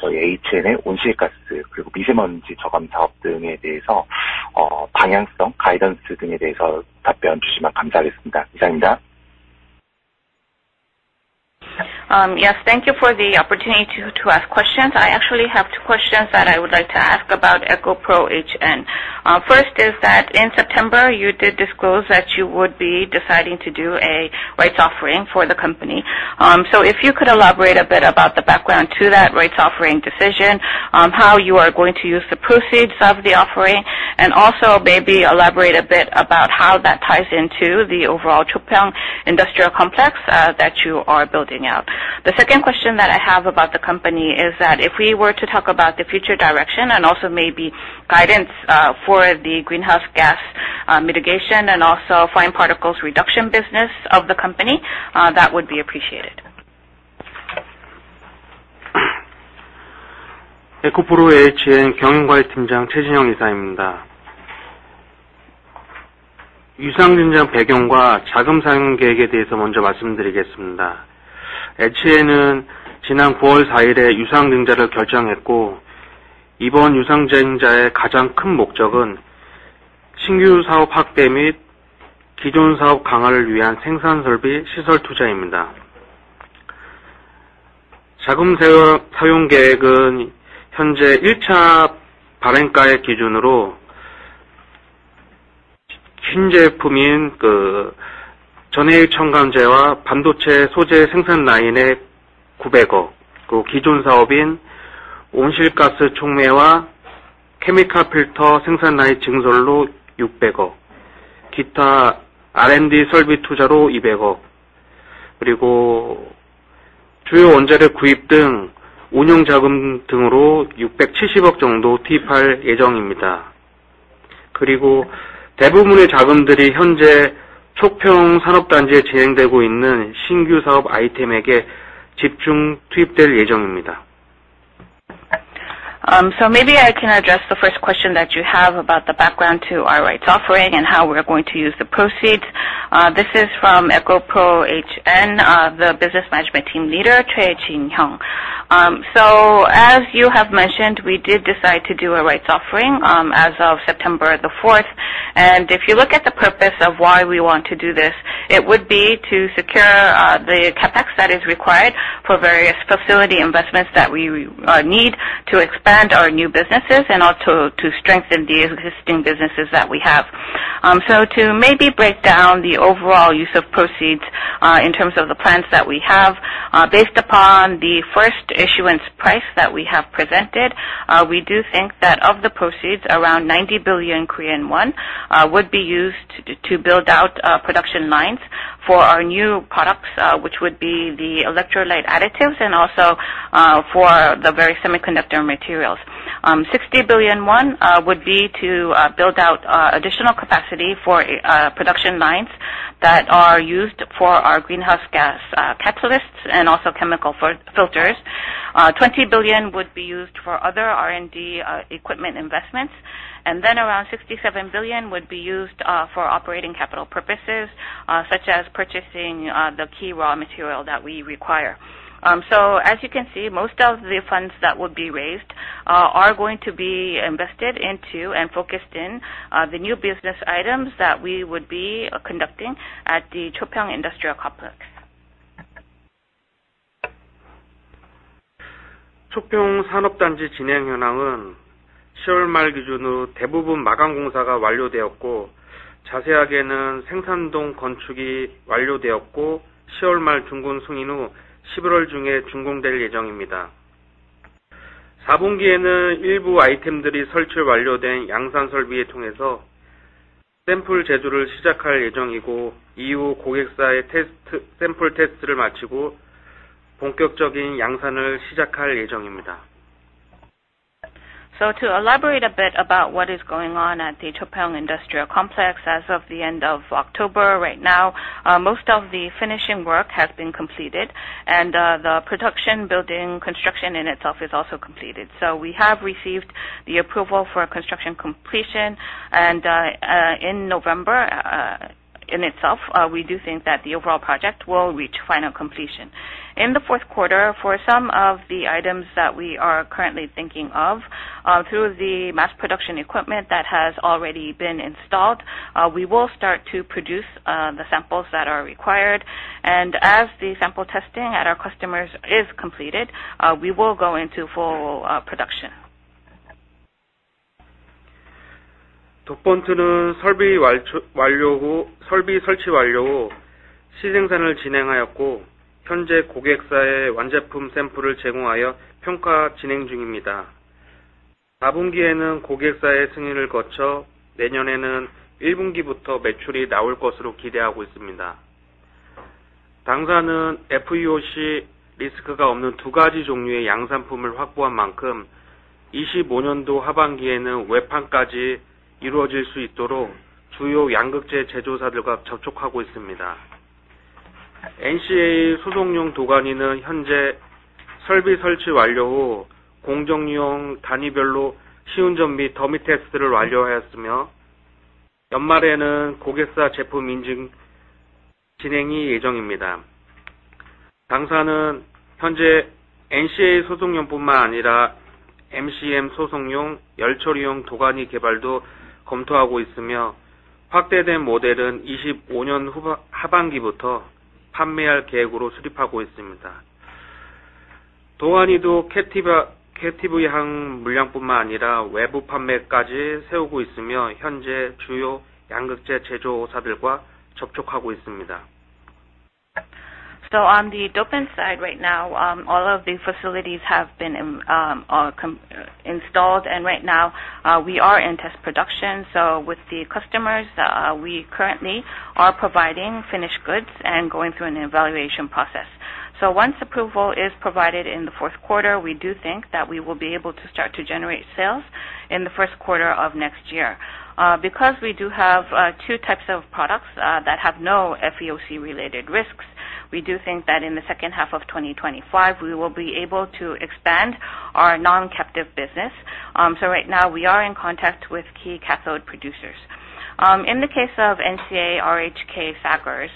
저희 HN의 온실가스 그리고 미세먼지 저감 사업 등에 대해서 방향성, 가이던스 등에 대해서 답변 주시면 감사하겠습니다. 이상입니다. Yes, thank you for the opportunity to ask questions. I actually have two questions that I would like to ask about EcoPro HN. First is that in September you did disclose that you would be deciding to do a rights offering for the company. So if you could elaborate a bit about the background to that rights offering decision, how you are going to use the proceeds of the offering, and also maybe elaborate a bit about how that ties into the overall Chopyeong Industrial Complex that you are building out. The second question that I have about the company is that if we were to talk about the future direction and also maybe guidance for the greenhouse gas mitigation and also fine particles reduction business of the company, that would be appreciated. 에코프로 HN 경영 관리팀장 최진영 이사입니다. 유상증자 배경과 자금 사용 계획에 대해서 먼저 말씀드리겠습니다. HN은 지난 9월 4일에 유상증자를 결정했고 이번 유상증자의 가장 큰 목적은 신규 사업 확대 및 기존 사업 강화를 위한 생산 설비, 시설 투자입니다. 자금 사용 계획은 현재 1차 발행가액 기준으로 신제품인 전해유 첨가제와 반도체 소재 생산 라인에 900억, 그리고 기존 사업인 온실가스 촉매와 케미칼 필터 생산 라인 증설로 600억, 기타 R&D 설비 투자로 200억, 그리고 주요 원자재 구입 등 운용 자금 등으로 670억 정도 투입할 예정입니다. 그리고 대부분의 자금들이 현재 촉평 산업단지에 진행되고 있는 신규 사업 아이템에게 집중 투입될 예정입니다. Maybe I can address the first question that you have about the background to our rights offering and how we're going to use the proceeds. This is from EcoPro HN, the Business Management Team Leader, Choi Jin-young. As you have mentioned, we did decide to do a rights offering as of September the 4th, and if you look at the purpose of why we want to do this, it would be to secure the CapEx that is required for various facility investments that we need to expand our new businesses and also to strengthen the existing businesses that we have. So, to maybe break down the overall use of proceeds in terms of the plans that we have, based upon the first issuance price that we have presented, we do think that of the proceeds, around 90 billion Korean won would be used to build out production lines for our new products, which would be the electrolyte additives and also for the very semiconductor materials. 60 billion would be to build out additional capacity for production lines that are used for our greenhouse gas catalysts and also chemical filters. 20 billion would be used for other R&D equipment investments, and then around 67 billion would be used for operating capital purposes such as purchasing the key raw material that we require. So as you can see, most of the funds that would be raised are going to be invested into and focused in the new business items that we would be conducting at the Chopyeong Industrial Complex. 촉평 산업단지 진행 현황은 10월 말 기준으로 대부분 마감 공사가 완료되었고, 자세하게는 생산 동 건축이 완료되었고, 10월 말 준공 승인 후 11월 중에 준공될 예정입니다. 4분기에는 일부 아이템들이 설치 완료된 양산 설비를 통해서 샘플 제조를 시작할 예정이고, 이후 고객사의 샘플 테스트를 마치고 본격적인 양산을 시작할 예정입니다. So to elaborate a bit about what is going on at the Chopyeong Industrial Complex as of the end of October right now, most of the finishing work has been completed, and the production building construction in itself is also completed. So we have received the approval for construction completion, and in November in itself, we do think that the overall project will reach final completion. In the fourth quarter, for some of the items that we are currently thinking of, through the mass production equipment that has already been installed, we will start to produce the samples that are required, and as the sample testing at our customers is completed, we will go into full production. 첫 번째는 설비 설치 완료 후시 생산을 진행하였고, 현재 고객사에 완제품 샘플을 제공하여 평가 진행 중입니다. 4분기에는 고객사의 승인을 거쳐 내년에는 1분기부터 매출이 나올 것으로 기대하고 있습니다. 당사는 FEOC 리스크가 없는 두 가지 종류의 양산품을 확보한 만큼 25년도 하반기에는 외판까지 이루어질 수 있도록 주요 양극재 제조사들과 접촉하고 있습니다. NCA 소속용 도가니는 현재 설비 설치 완료 후 공정용 단위별로 시운전 및 더미 테스트를 완료하였으며, 연말에는 고객사 제품 인증 진행이 예정입니다. 당사는 현재 NCA 소속용뿐만 아니라 NCM 소속용 열처리용 도가니 개발도 검토하고 있으며, 확대된 모델은 25년 하반기부터 판매할 계획으로 수립하고 있습니다. 도가니도 캡티브향 물량뿐만 아니라 외부 판매까지 세우고 있으며, 현재 주요 양극재 제조사들과 접촉하고 있습니다. So on the dopant side right now, all of the facilities have been installed, and right now we are in test production. So with the customers, we currently are providing finished goods and going through an evaluation process. So once approval is provided in the fourth quarter, we do think that we will be able to start to generate sales in the first quarter of next year. Because we do have two types of products that have no FEOC-related risks, we do think that in the second half of 2025 we will be able to expand our non-captive business. So right now we are in contact with key cathode producers. In the case of NCA high-nickel saggars,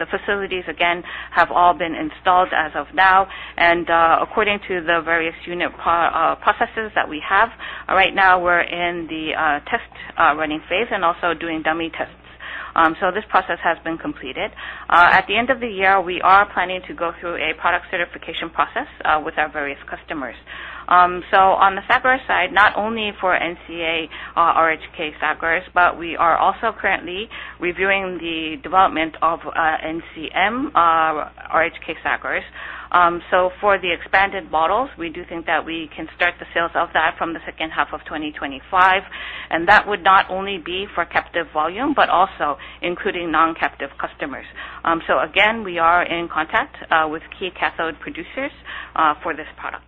the facilities again have all been installed as of now, and according to the various unit processes that we have, right now we're in the test running phase and also doing dummy tests. So this process has been completed. At the end of the year, we are planning to go through a product certification process with our various customers. So on the saggars side, not only for NCA high-nickel saggars, but we are also currently reviewing the development of NCM high-nickel saggars. So for the expanded models, we do think that we can start the sales of that from the second half of 2025, and that would not only be for captive volume but also including non-captive customers. So again, we are in contact with key cathode producers for this product.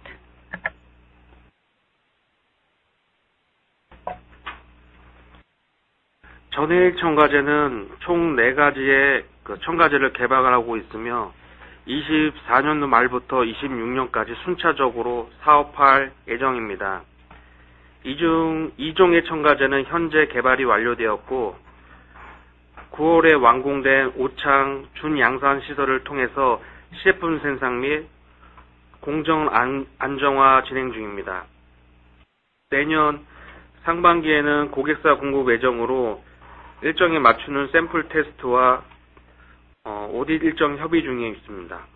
전해유 첨가제는 총네 가지의 첨가제를 개발하고 있으며, 24년도 말부터 26년까지 순차적으로 사업할 예정입니다. 이중 2종의 첨가제는 현재 개발이 완료되었고, 9월에 완공된 오창 준양산 시설을 통해서 시제품 생산 및 공정 안정화 진행 중입니다. 내년 상반기에는 고객사 공급 예정으로 일정에 맞추는 샘플 테스트와 Audit 일정 협의 중에 있습니다.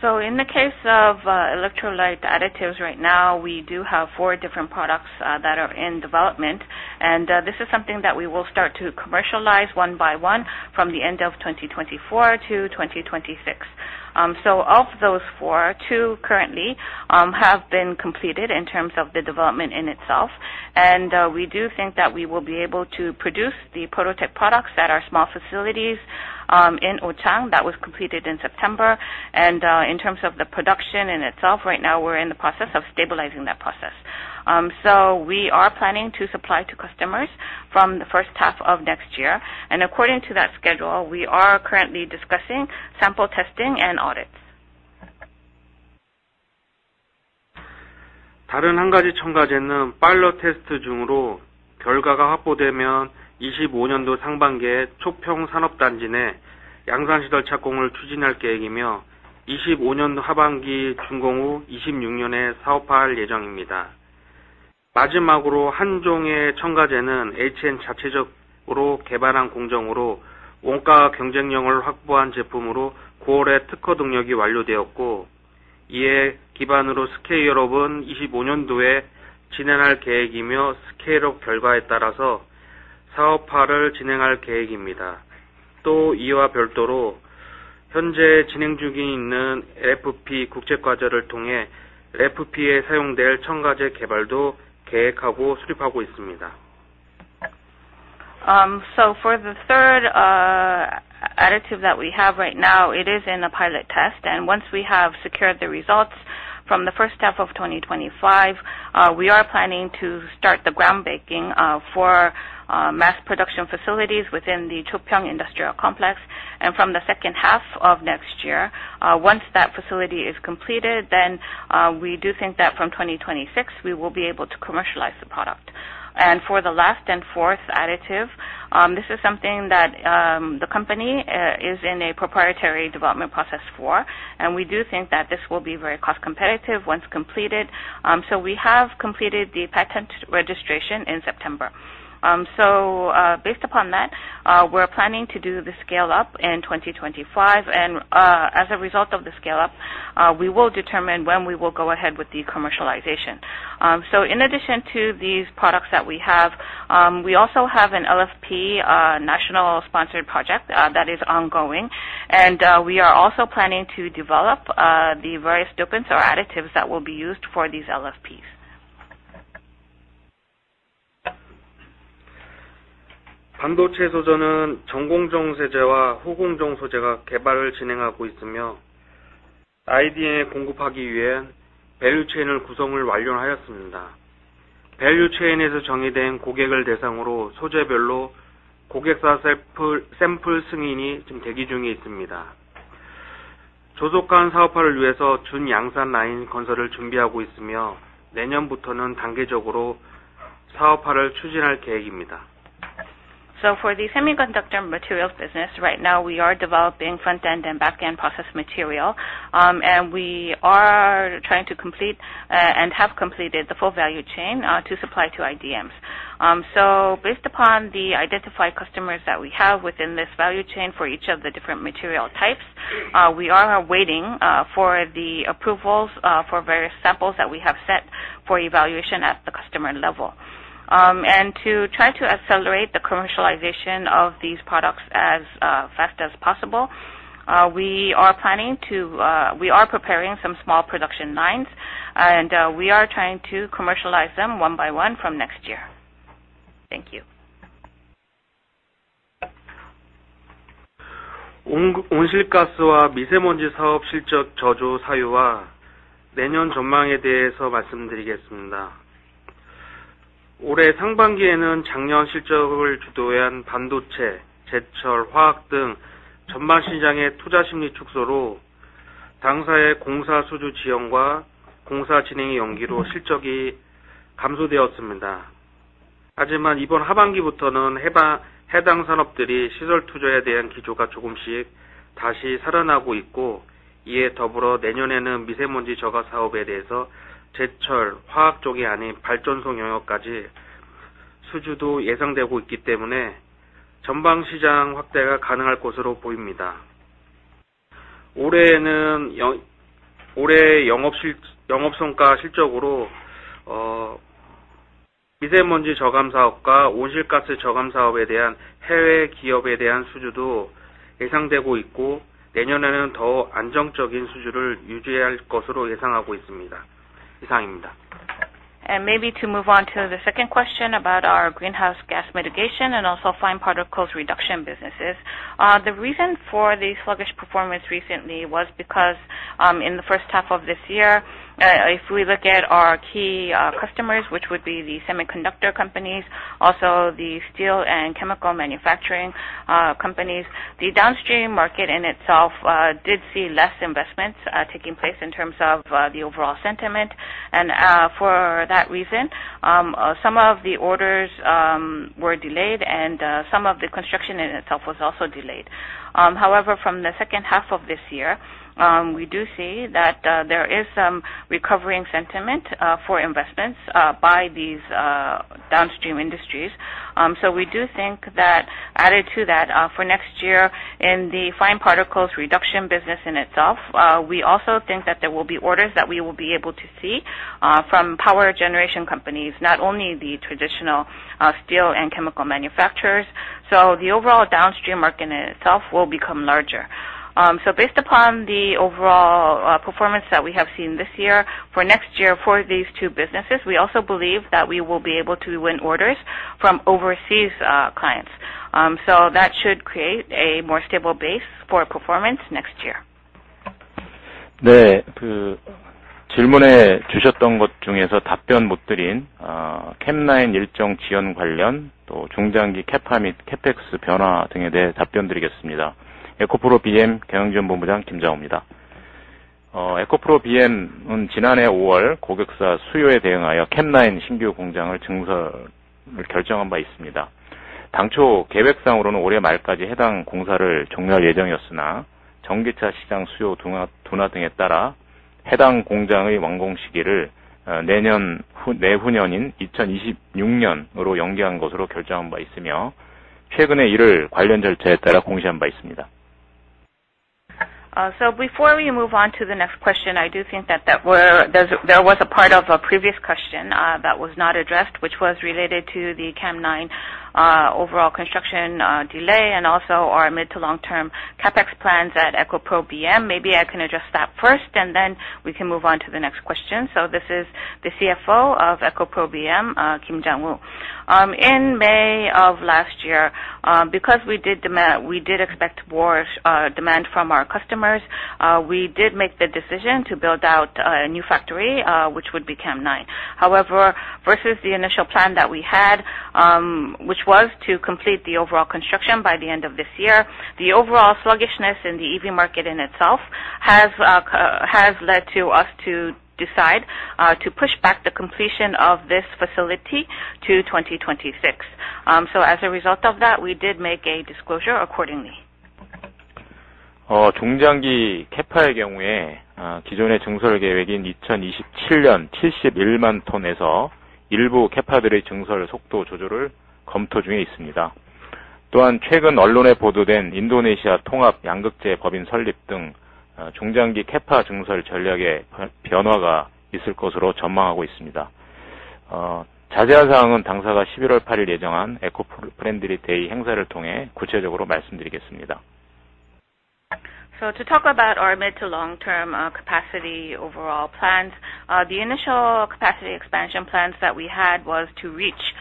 So in the case of electrolyte additives right now, we do have four different products that are in development, and this is something that we will start to commercialize one by one from the end of 2024 to 2026. So of those four, two currently have been completed in terms of the development in itself, and we do think that we will be able to produce the prototype products at our small facilities in Ochang that was completed in September. And in terms of the production in itself, right now we're in the process of stabilizing that process. We are planning to supply to customers from the first half of next year, and according to that schedule, we are currently discussing sample testing and audits. 다른 한 가지 첨가제는 파일럿 테스트 중으로 결과가 확보되면 25년도 상반기에 촉평 산업단지 내 양산 시설 착공을 추진할 계획이며, 25년도 하반기 준공 후 26년에 사업할 예정입니다. 마지막으로 한 종의 첨가제는 HN 자체적으로 개발한 공정으로 원가 경쟁력을 확보한 제품으로 9월에 특허 등록이 완료되었고, 이에 기반으로 스케일업은 25년도에 진행할 계획이며, 스케일업 결과에 따라서 사업화를 진행할 계획입니다. 또 이와 별도로 현재 진행 중에 있는 LFP 국책 과제를 통해 LFP에 사용될 첨가제 개발도 계획하고 수립하고 있습니다. For the third additive that we have right now, it is in a pilot test, and once we have secured the results from the first half of 2025, we are planning to start the groundbreaking for mass production facilities within the Chopyeong Industrial Complex. From the second half of next year, once that facility is completed, then we do think that from 2026 we will be able to commercialize the product. For the last and fourth additive, this is something that the company is in a proprietary development process for, and we do think that this will be very cost competitive once completed. We have completed the patent registration in September. Based upon that, we're planning to do the scale-up in 2025, and as a result of the scale-up, we will determine when we will go ahead with the commercialization. In addition to these products that we have, we also have an LFP national sponsored project that is ongoing, and we are also planning to develop the various dopants or additives that will be used for these LFPs. 반도체 소재는 전공정 소재와 후공정 소재가 개발을 진행하고 있으며, IDM에 공급하기 위한 밸류 체인을 구성을 완료하였습니다. 밸류 체인에서 정의된 고객을 대상으로 소재별로 고객사 샘플 승인이 지금 대기 중에 있습니다. 조속한 사업화를 위해서 준양산 라인 건설을 준비하고 있으며, 내년부터는 단계적으로 사업화를 추진할 계획입니다. For the semiconductor materials business right now, we are developing front-end and back-end process material, and we are trying to complete and have completed the full value chain to supply to IDMs. Based upon the identified customers that we have within this value chain for each of the different material types, we are waiting for the approvals for various samples that we have set for evaluation at the customer level. And to try to accelerate the commercialization of these products as fast as possible, we are planning to—we are preparing some small production lines, and we are trying to commercialize them one by one from next year. Thank you. 온실가스와 미세먼지 사업 실적 저조 사유와 내년 전망에 대해서 말씀드리겠습니다. 올해 상반기에는 작년 실적을 주도한 반도체, 제철, 화학 등 전반 시장의 투자 심리 축소로 당사의 공사 수주 지연과 공사 진행의 연기로 실적이 감소되었습니다. 하지만 이번 하반기부터는 해당 산업들이 시설 투자에 대한 기조가 조금씩 다시 살아나고 있고, 이에 더불어 내년에는 미세먼지 저감 사업에 대해서 제철, 화학 쪽이 아닌 발전소 영역까지 수주도 예상되고 있기 때문에 전방 시장 확대가 가능할 것으로 보입니다. 올해 영업 성과 실적으로 미세먼지 저감 사업과 온실가스 저감 사업에 대한 해외 기업에 대한 수주도 예상되고 있고, 내년에는 더 안정적인 수주를 유지할 것으로 예상하고 있습니다. 이상입니다. Maybe to move on to the second question about our greenhouse gas mitigation and also fine particles reduction businesses. The reason for the sluggish performance recently was because in the first half of this year, if we look at our key customers, which would be the semiconductor companies, also the steel and chemical manufacturing companies, the downstream market in itself did see less investments taking place in terms of the overall sentiment. And for that reason, some of the orders were delayed, and some of the construction in itself was also delayed. However, from the second half of this year, we do see that there is some recovering sentiment for investments by these downstream industries. So we do think that added to that for next year in the fine particles reduction business in itself, we also think that there will be orders that we will be able to see from power generation companies, not only the traditional steel and chemical manufacturers. So the overall downstream market in itself will become larger. So based upon the overall performance that we have seen this year, for next year for these two businesses, we also believe that we will be able to win orders from overseas clients. So that should create a more stable base for performance next year. 네, 그 질문해 주셨던 것 중에서 답변 못 드린 캡라인 일정 지연 관련 또 중장기 캡파 및 CapEx 변화 등에 대해 답변드리겠습니다. 에코프로비엠 경영지원본부장 김장우입니다. 에코프로비엠은 지난해 5월 고객사 수요에 대응하여 캡라인 신규 공장을 증설을 결정한 바 있습니다. 당초 계획상으로는 올해 말까지 해당 공사를 종료할 예정이었으나, 전기차 시장 수요 둔화 등에 따라 해당 공장의 완공 시기를 내년 내후년인 2026년으로 연기한 것으로 결정한 바 있으며, 최근에 이를 관련 절차에 따라 공시한 바 있습니다. So before we move on to the next question, I do think that there was a part of a previous question that was not addressed, which was related to the CAM9 overall construction delay and also our mid- to long-term CapEx plans at EcoPro BM. Maybe I can address that first, and then we can move on to the next question. So this is the CFO of EcoPro BM, Kim Jang-woo. In May of last year, because we did expect more demand from our customers, we did make the decision to build out a new factory, which would be CAM9. However, versus the initial plan that we had, which was to complete the overall construction by the end of this year, the overall sluggishness in the EV market in itself has led us to decide to push back the completion of this facility to 2026. So as a result of that, we did make a disclosure accordingly. 중장기 캡파의 경우에 기존의 증설 계획인 2027년 71만 톤에서 일부 캡파들의 증설 속도 조절을 검토 중에 있습니다. 또한 최근 언론에 보도된 인도네시아 통합 양극재 법인 설립 등 중장기 캡파 증설 전략의 변화가 있을 것으로 전망하고 있습니다. 자세한 사항은 당사가 11월 8일 예정한 에코프렌드리 데이 행사를 통해 구체적으로 말씀드리겠습니다. So to talk about our mid- to long-term capacity overall plans, the initial capacity expansion plans that we had was to reach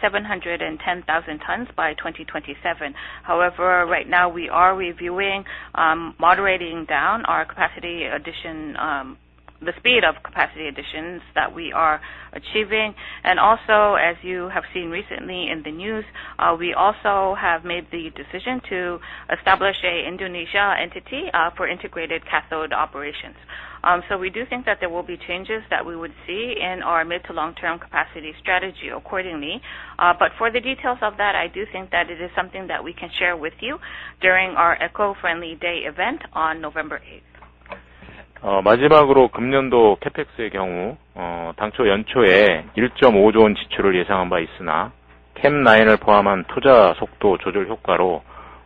710,000 tons by 2027. However, right now we are reviewing, moderating down our capacity addition, the speed of capacity additions that we are achieving, and also, as you have seen recently in the news, we also have made the decision to establish an Indonesia entity for integrated cathode operations, so we do think that there will be changes that we would see in our mid to long-term capacity strategy accordingly, but for the details of that, I do think that it is something that we can share with you during our Eco-Friendly Day event on November 8th. 마지막으로 금년도 캡팩스의 경우 당초 연초에 1.5조원 지출을 예상한 바 있으나, 캡라인을 포함한 투자 속도 조절 효과로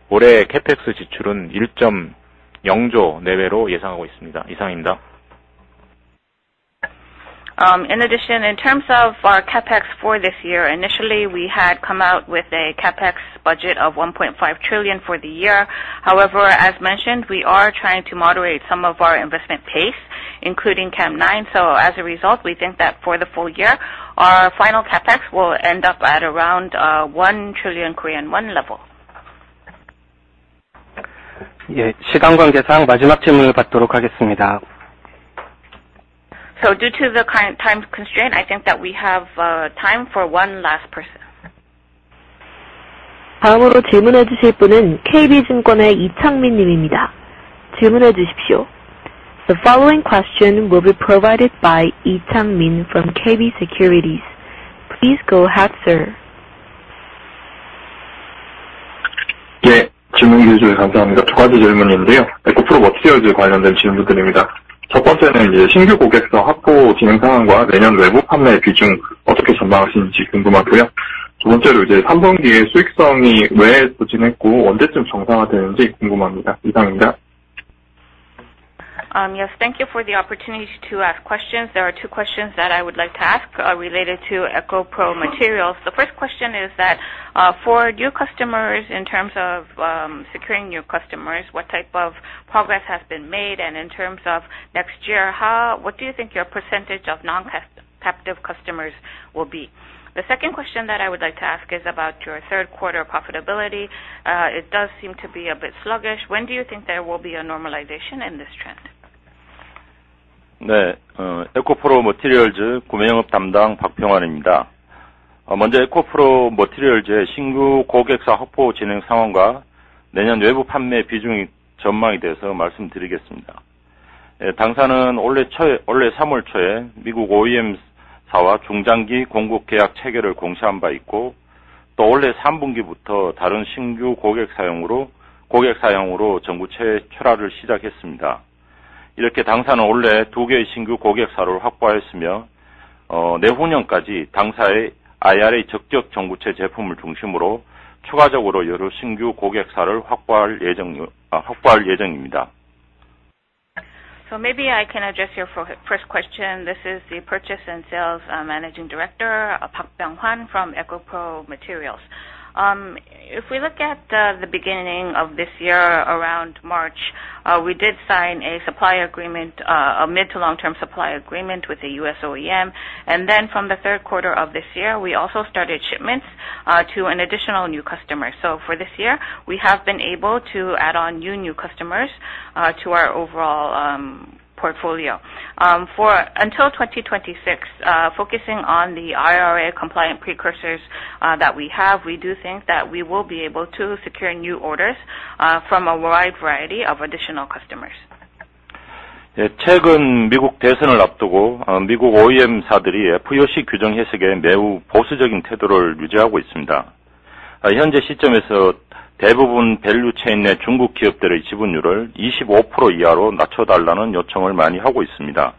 올해 캡팩스 지출은 1.0조 내외로 예상하고 있습니다. 이상입니다. In addition, in terms of our CapEx for this year, initially we had come out with a CapEx budget of 1.5 trillion for the year. However, as mentioned, we are trying to moderate some of our investment pace, including CAM9. So as a result, we think that for the full year, our final CapEx will end up at around 1 trillion Korean won level. 예, 시간 관계상 마지막 질문을 받도록 하겠습니다. So due to the current time constraint, I think that we have time for one last person. 다음으로 질문해 주실 분은 KB증권의 이창민 님입니다. 질문해 주십시오. The following question will be provided by Lee Changmin from KB Securities. Please go ahead, sir. 예, 질문해 주셔서 감사합니다. 두 가지 질문인데요. 에코프로 머티리얼즈 관련된 질문들입니다. 첫 번째는 신규 고객사 확보 진행 상황과 내년 외부 판매 비중 어떻게 전망하시는지 궁금하고요. 두 번째로 3분기에 수익성이 왜 부진했고 언제쯤 정상화되는지 궁금합니다. 이상입니다. Yes, thank you for the opportunity to ask questions. There are two questions that I would like to ask related to EcoPro Materials. The first question is that for new customers, in terms of securing new customers, what type of progress has been made? And in terms of next year, what do you think your percentage of non-captive customers will be? The second question that I would like to ask is about your third quarter profitability. It does seem to be a bit sluggish. When do you think there will be a normalization in this trend? 네, 에코프로 머티리얼즈 구매 영업 담당 박병환입니다. 먼저 에코프로 머티리얼즈의 신규 고객사 확보 진행 상황과 내년 외부 판매 비중 전망에 대해 말씀드리겠습니다. 당사는 올해 3월 초에 미국 OEM사와 중장기 공급 계약 체결을 공시한 바 있고, 또 올해 3분기부터 다른 신규 고객사로 전구체 출하를 시작했습니다. 이렇게 당사는 올해 두 개의 신규 고객사를 확보하였으며, 내후년까지 당사의 IRA 적격 전구체 제품을 중심으로 추가적으로 여러 신규 고객사를 확보할 예정입니다. So maybe I can address your first question. This is the Purchase and Sales Managing Director, Park Byung-hwan from EcoPro Materials. If we look at the beginning of this year, around March, we did sign a supply agreement, a mid- to long-term supply agreement with the U.S. OEM. And then from the third quarter of this year, we also started shipments to an additional new customer. So for this year, we have been able to add on new customers to our overall portfolio. Until 2026, focusing on the IRA compliant precursors that we have, we do think that we will be able to secure new orders from a wide variety of additional customers. 최근 미국 대선을 앞두고 미국 OEM사들이 FEOC 규정 해석에 매우 보수적인 태도를 유지하고 있습니다. 현재 시점에서 대부분 밸류 체인의 중국 기업들의 지분율을 25% 이하로 낮춰달라는 요청을 많이 하고 있습니다.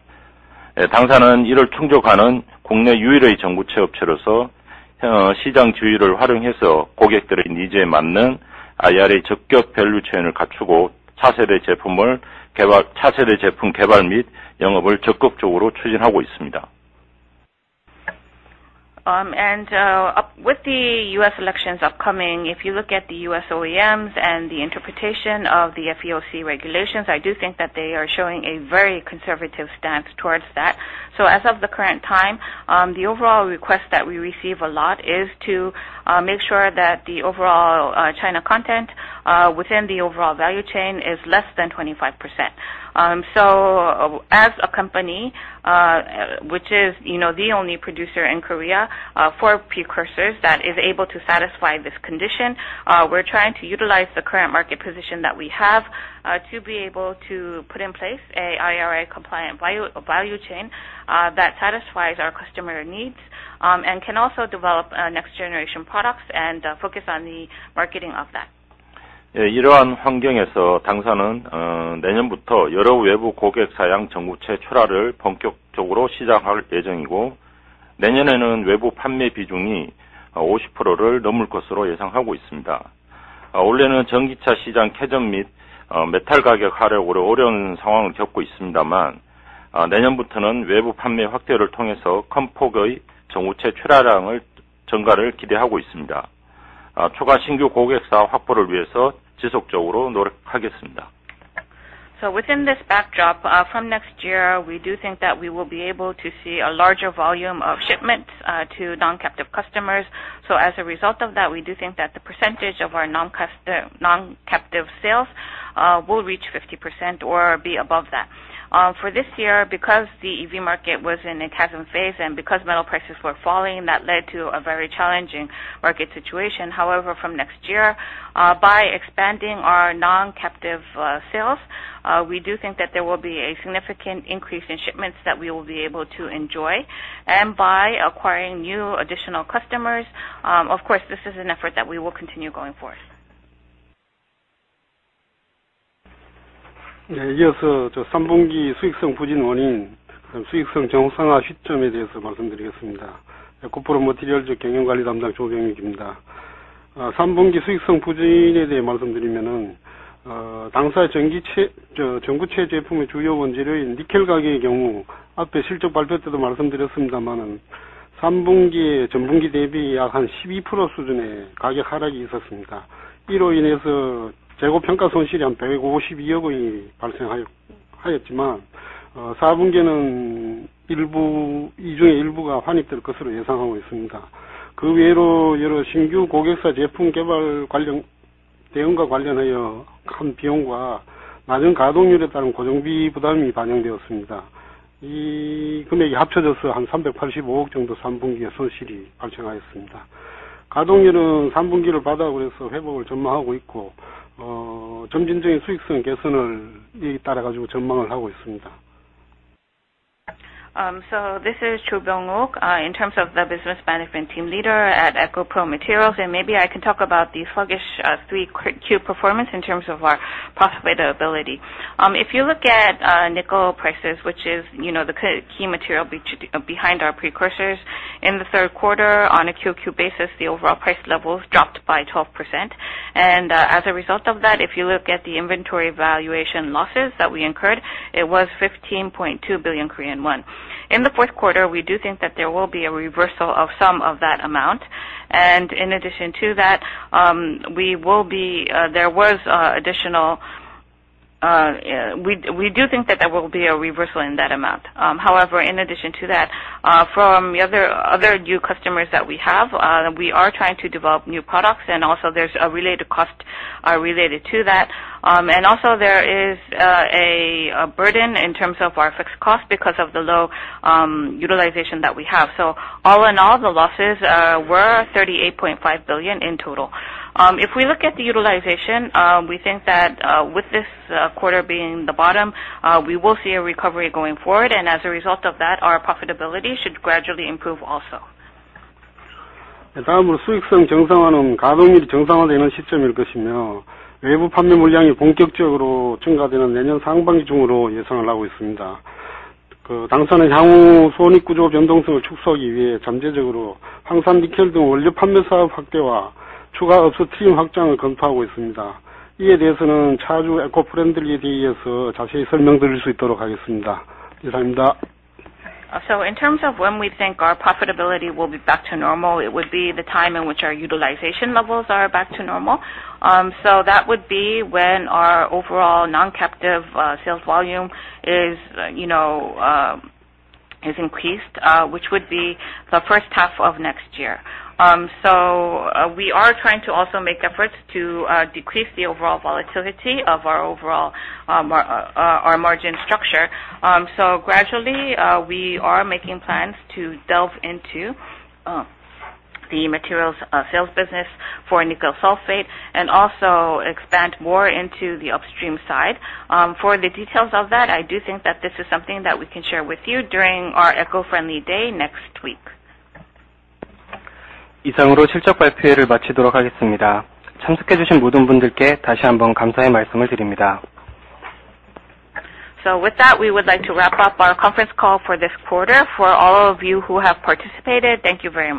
당사는 이를 충족하는 국내 유일의 전구체 업체로서 시장 지위를 활용해서 고객들의 니즈에 맞는 IRA 적격 밸류 체인을 갖추고 차세대 제품 개발 및 영업을 적극적으로 추진하고 있습니다. And with the U.S. elections upcoming, if you look at the U.S. OEMs and the interpretation of the FEOC regulations, I do think that they are showing a very conservative stance towards that. So as of the current time, the overall request that we receive a lot is to make sure that the overall China content within the overall value chain is less than 25%. So as a company, which is the only producer in Korea for precursors that is able to satisfy this condition, we're trying to utilize the current market position that we have to be able to put in place an IRA compliant value chain that satisfies our customer needs and can also develop next generation products and focus on the marketing of that. 이러한 환경에서 당사는 내년부터 여러 외부 고객사용 전구체 출하를 본격적으로 시작할 예정이고, 내년에는 외부 판매 비중이 50%를 넘을 것으로 예상하고 있습니다. 올해는 전기차 시장 저전 및 메탈 가격 하락으로 어려운 상황을 겪고 있습니다만, 내년부터는 외부 판매 확대를 통해서 큰 폭의 전구체 출하량 증가를 기대하고 있습니다. 추가 신규 고객사 확보를 위해서 지속적으로 노력하겠습니다. So within this backdrop, from next year, we do think that we will be able to see a larger volume of shipments to non-captive customers. So as a result of that, we do think that the percentage of our non-captive sales will reach 50% or be above that. For this year, because the EV market was in a chasm phase and because metal prices were falling, that led to a very challenging market situation. However, from next year, by expanding our non-captive sales, we do think that there will be a significant increase in shipments that we will be able to enjoy. And by acquiring new additional customers, of course, this is an effort that we will continue going forth. 이어서 3분기 수익성 부진 원인, 수익성 정상화 시점에 대해서 말씀드리겠습니다. 에코프로 머티리얼즈 경영관리담당 조병익입니다. 3분기 수익성 부진에 대해 말씀드리면, 당사의 전구체 제품의 주요 원재료인 니켈 가격의 경우, 앞에 실적 발표 때도 말씀드렸습니다만, 3분기에 전분기 대비 약한 12% 수준의 가격 하락이 있었습니다. 이로 인해서 재고 평가 손실이 한 152억원이 발생하였지만, 4분기에는 이 중의 일부가 환입될 것으로 예상하고 있습니다. 그 외로 여러 신규 고객사 제품 개발 대응과 관련하여 큰 비용과 낮은 가동률에 따른 고정비 부담이 반영되었습니다. 이 금액이 합쳐져서 한 385억 정도 3분기에 손실이 발생하였습니다. 가동률은 3분기를 바닥으로 해서 회복을 전망하고 있고, 점진적인 수익성 개선을 따라가지고 전망을 하고 있습니다. So this is Cho Byung-ik, in terms of the Business Management Team Leader at EcoPro Materials, and maybe I can talk about the sluggish Q performance in terms of our profitability. If you look at nickel prices, which is the key material behind our precursors, in the third quarter, on a Q2 basis, the overall price level dropped by 12%. As a result of that, if you look at the inventory valuation losses that we incurred, it was 15.2 billion Korean won. In the fourth quarter, we do think that there will be a reversal of some of that amount. And in addition to that, we do think that there will be a reversal in that amount. However, in addition to that, from other new customers that we have, we are trying to develop new products, and also there's a related cost related to that. And also there is a burden in terms of our fixed cost because of the low utilization that we have. So all in all, the losses were 38.5 billion in total. If we look at the utilization, we think that with this quarter being the bottom, we will see a recovery going forward, and as a result of that, our profitability should gradually improve also. 다음으로 수익성 정상화는 가동률이 정상화되는 시점일 것이며, 외부 판매 물량이 본격적으로 증가되는 내년 상반기 중으로 예상을 하고 있습니다. 당사는 향후 손익 구조 변동성을 축소하기 위해 잠재적으로 황산니켈 등 원료 판매 사업 확대와 추가 업스트림 확장을 검토하고 있습니다. 이에 대해서는 차주 에코프렌들리 데이에서 자세히 설명드릴 수 있도록 하겠습니다. 이상입니다. So in terms of when we think our profitability will be back to normal, it would be the time in which our utilization levels are back to normal. So that would be when our overall non-captive sales volume is increased, which would be the first half of next year. So we are trying to also make efforts to decrease the overall volatility of our margin structure. So gradually, we are making plans to delve into the materials sales business for nickel sulfate and also expand more into the upstream side. For the details of that, I do think that this is something that we can share with you during our Eco-Friendly Day next week. 이상으로 실적 발표회를 마치도록 하겠습니다. 참석해 주신 모든 분들께 다시 한번 감사의 말씀을 드립니다. So with that, we would like to wrap up our conference call for this quarter. For all of you who have participated, thank you very much.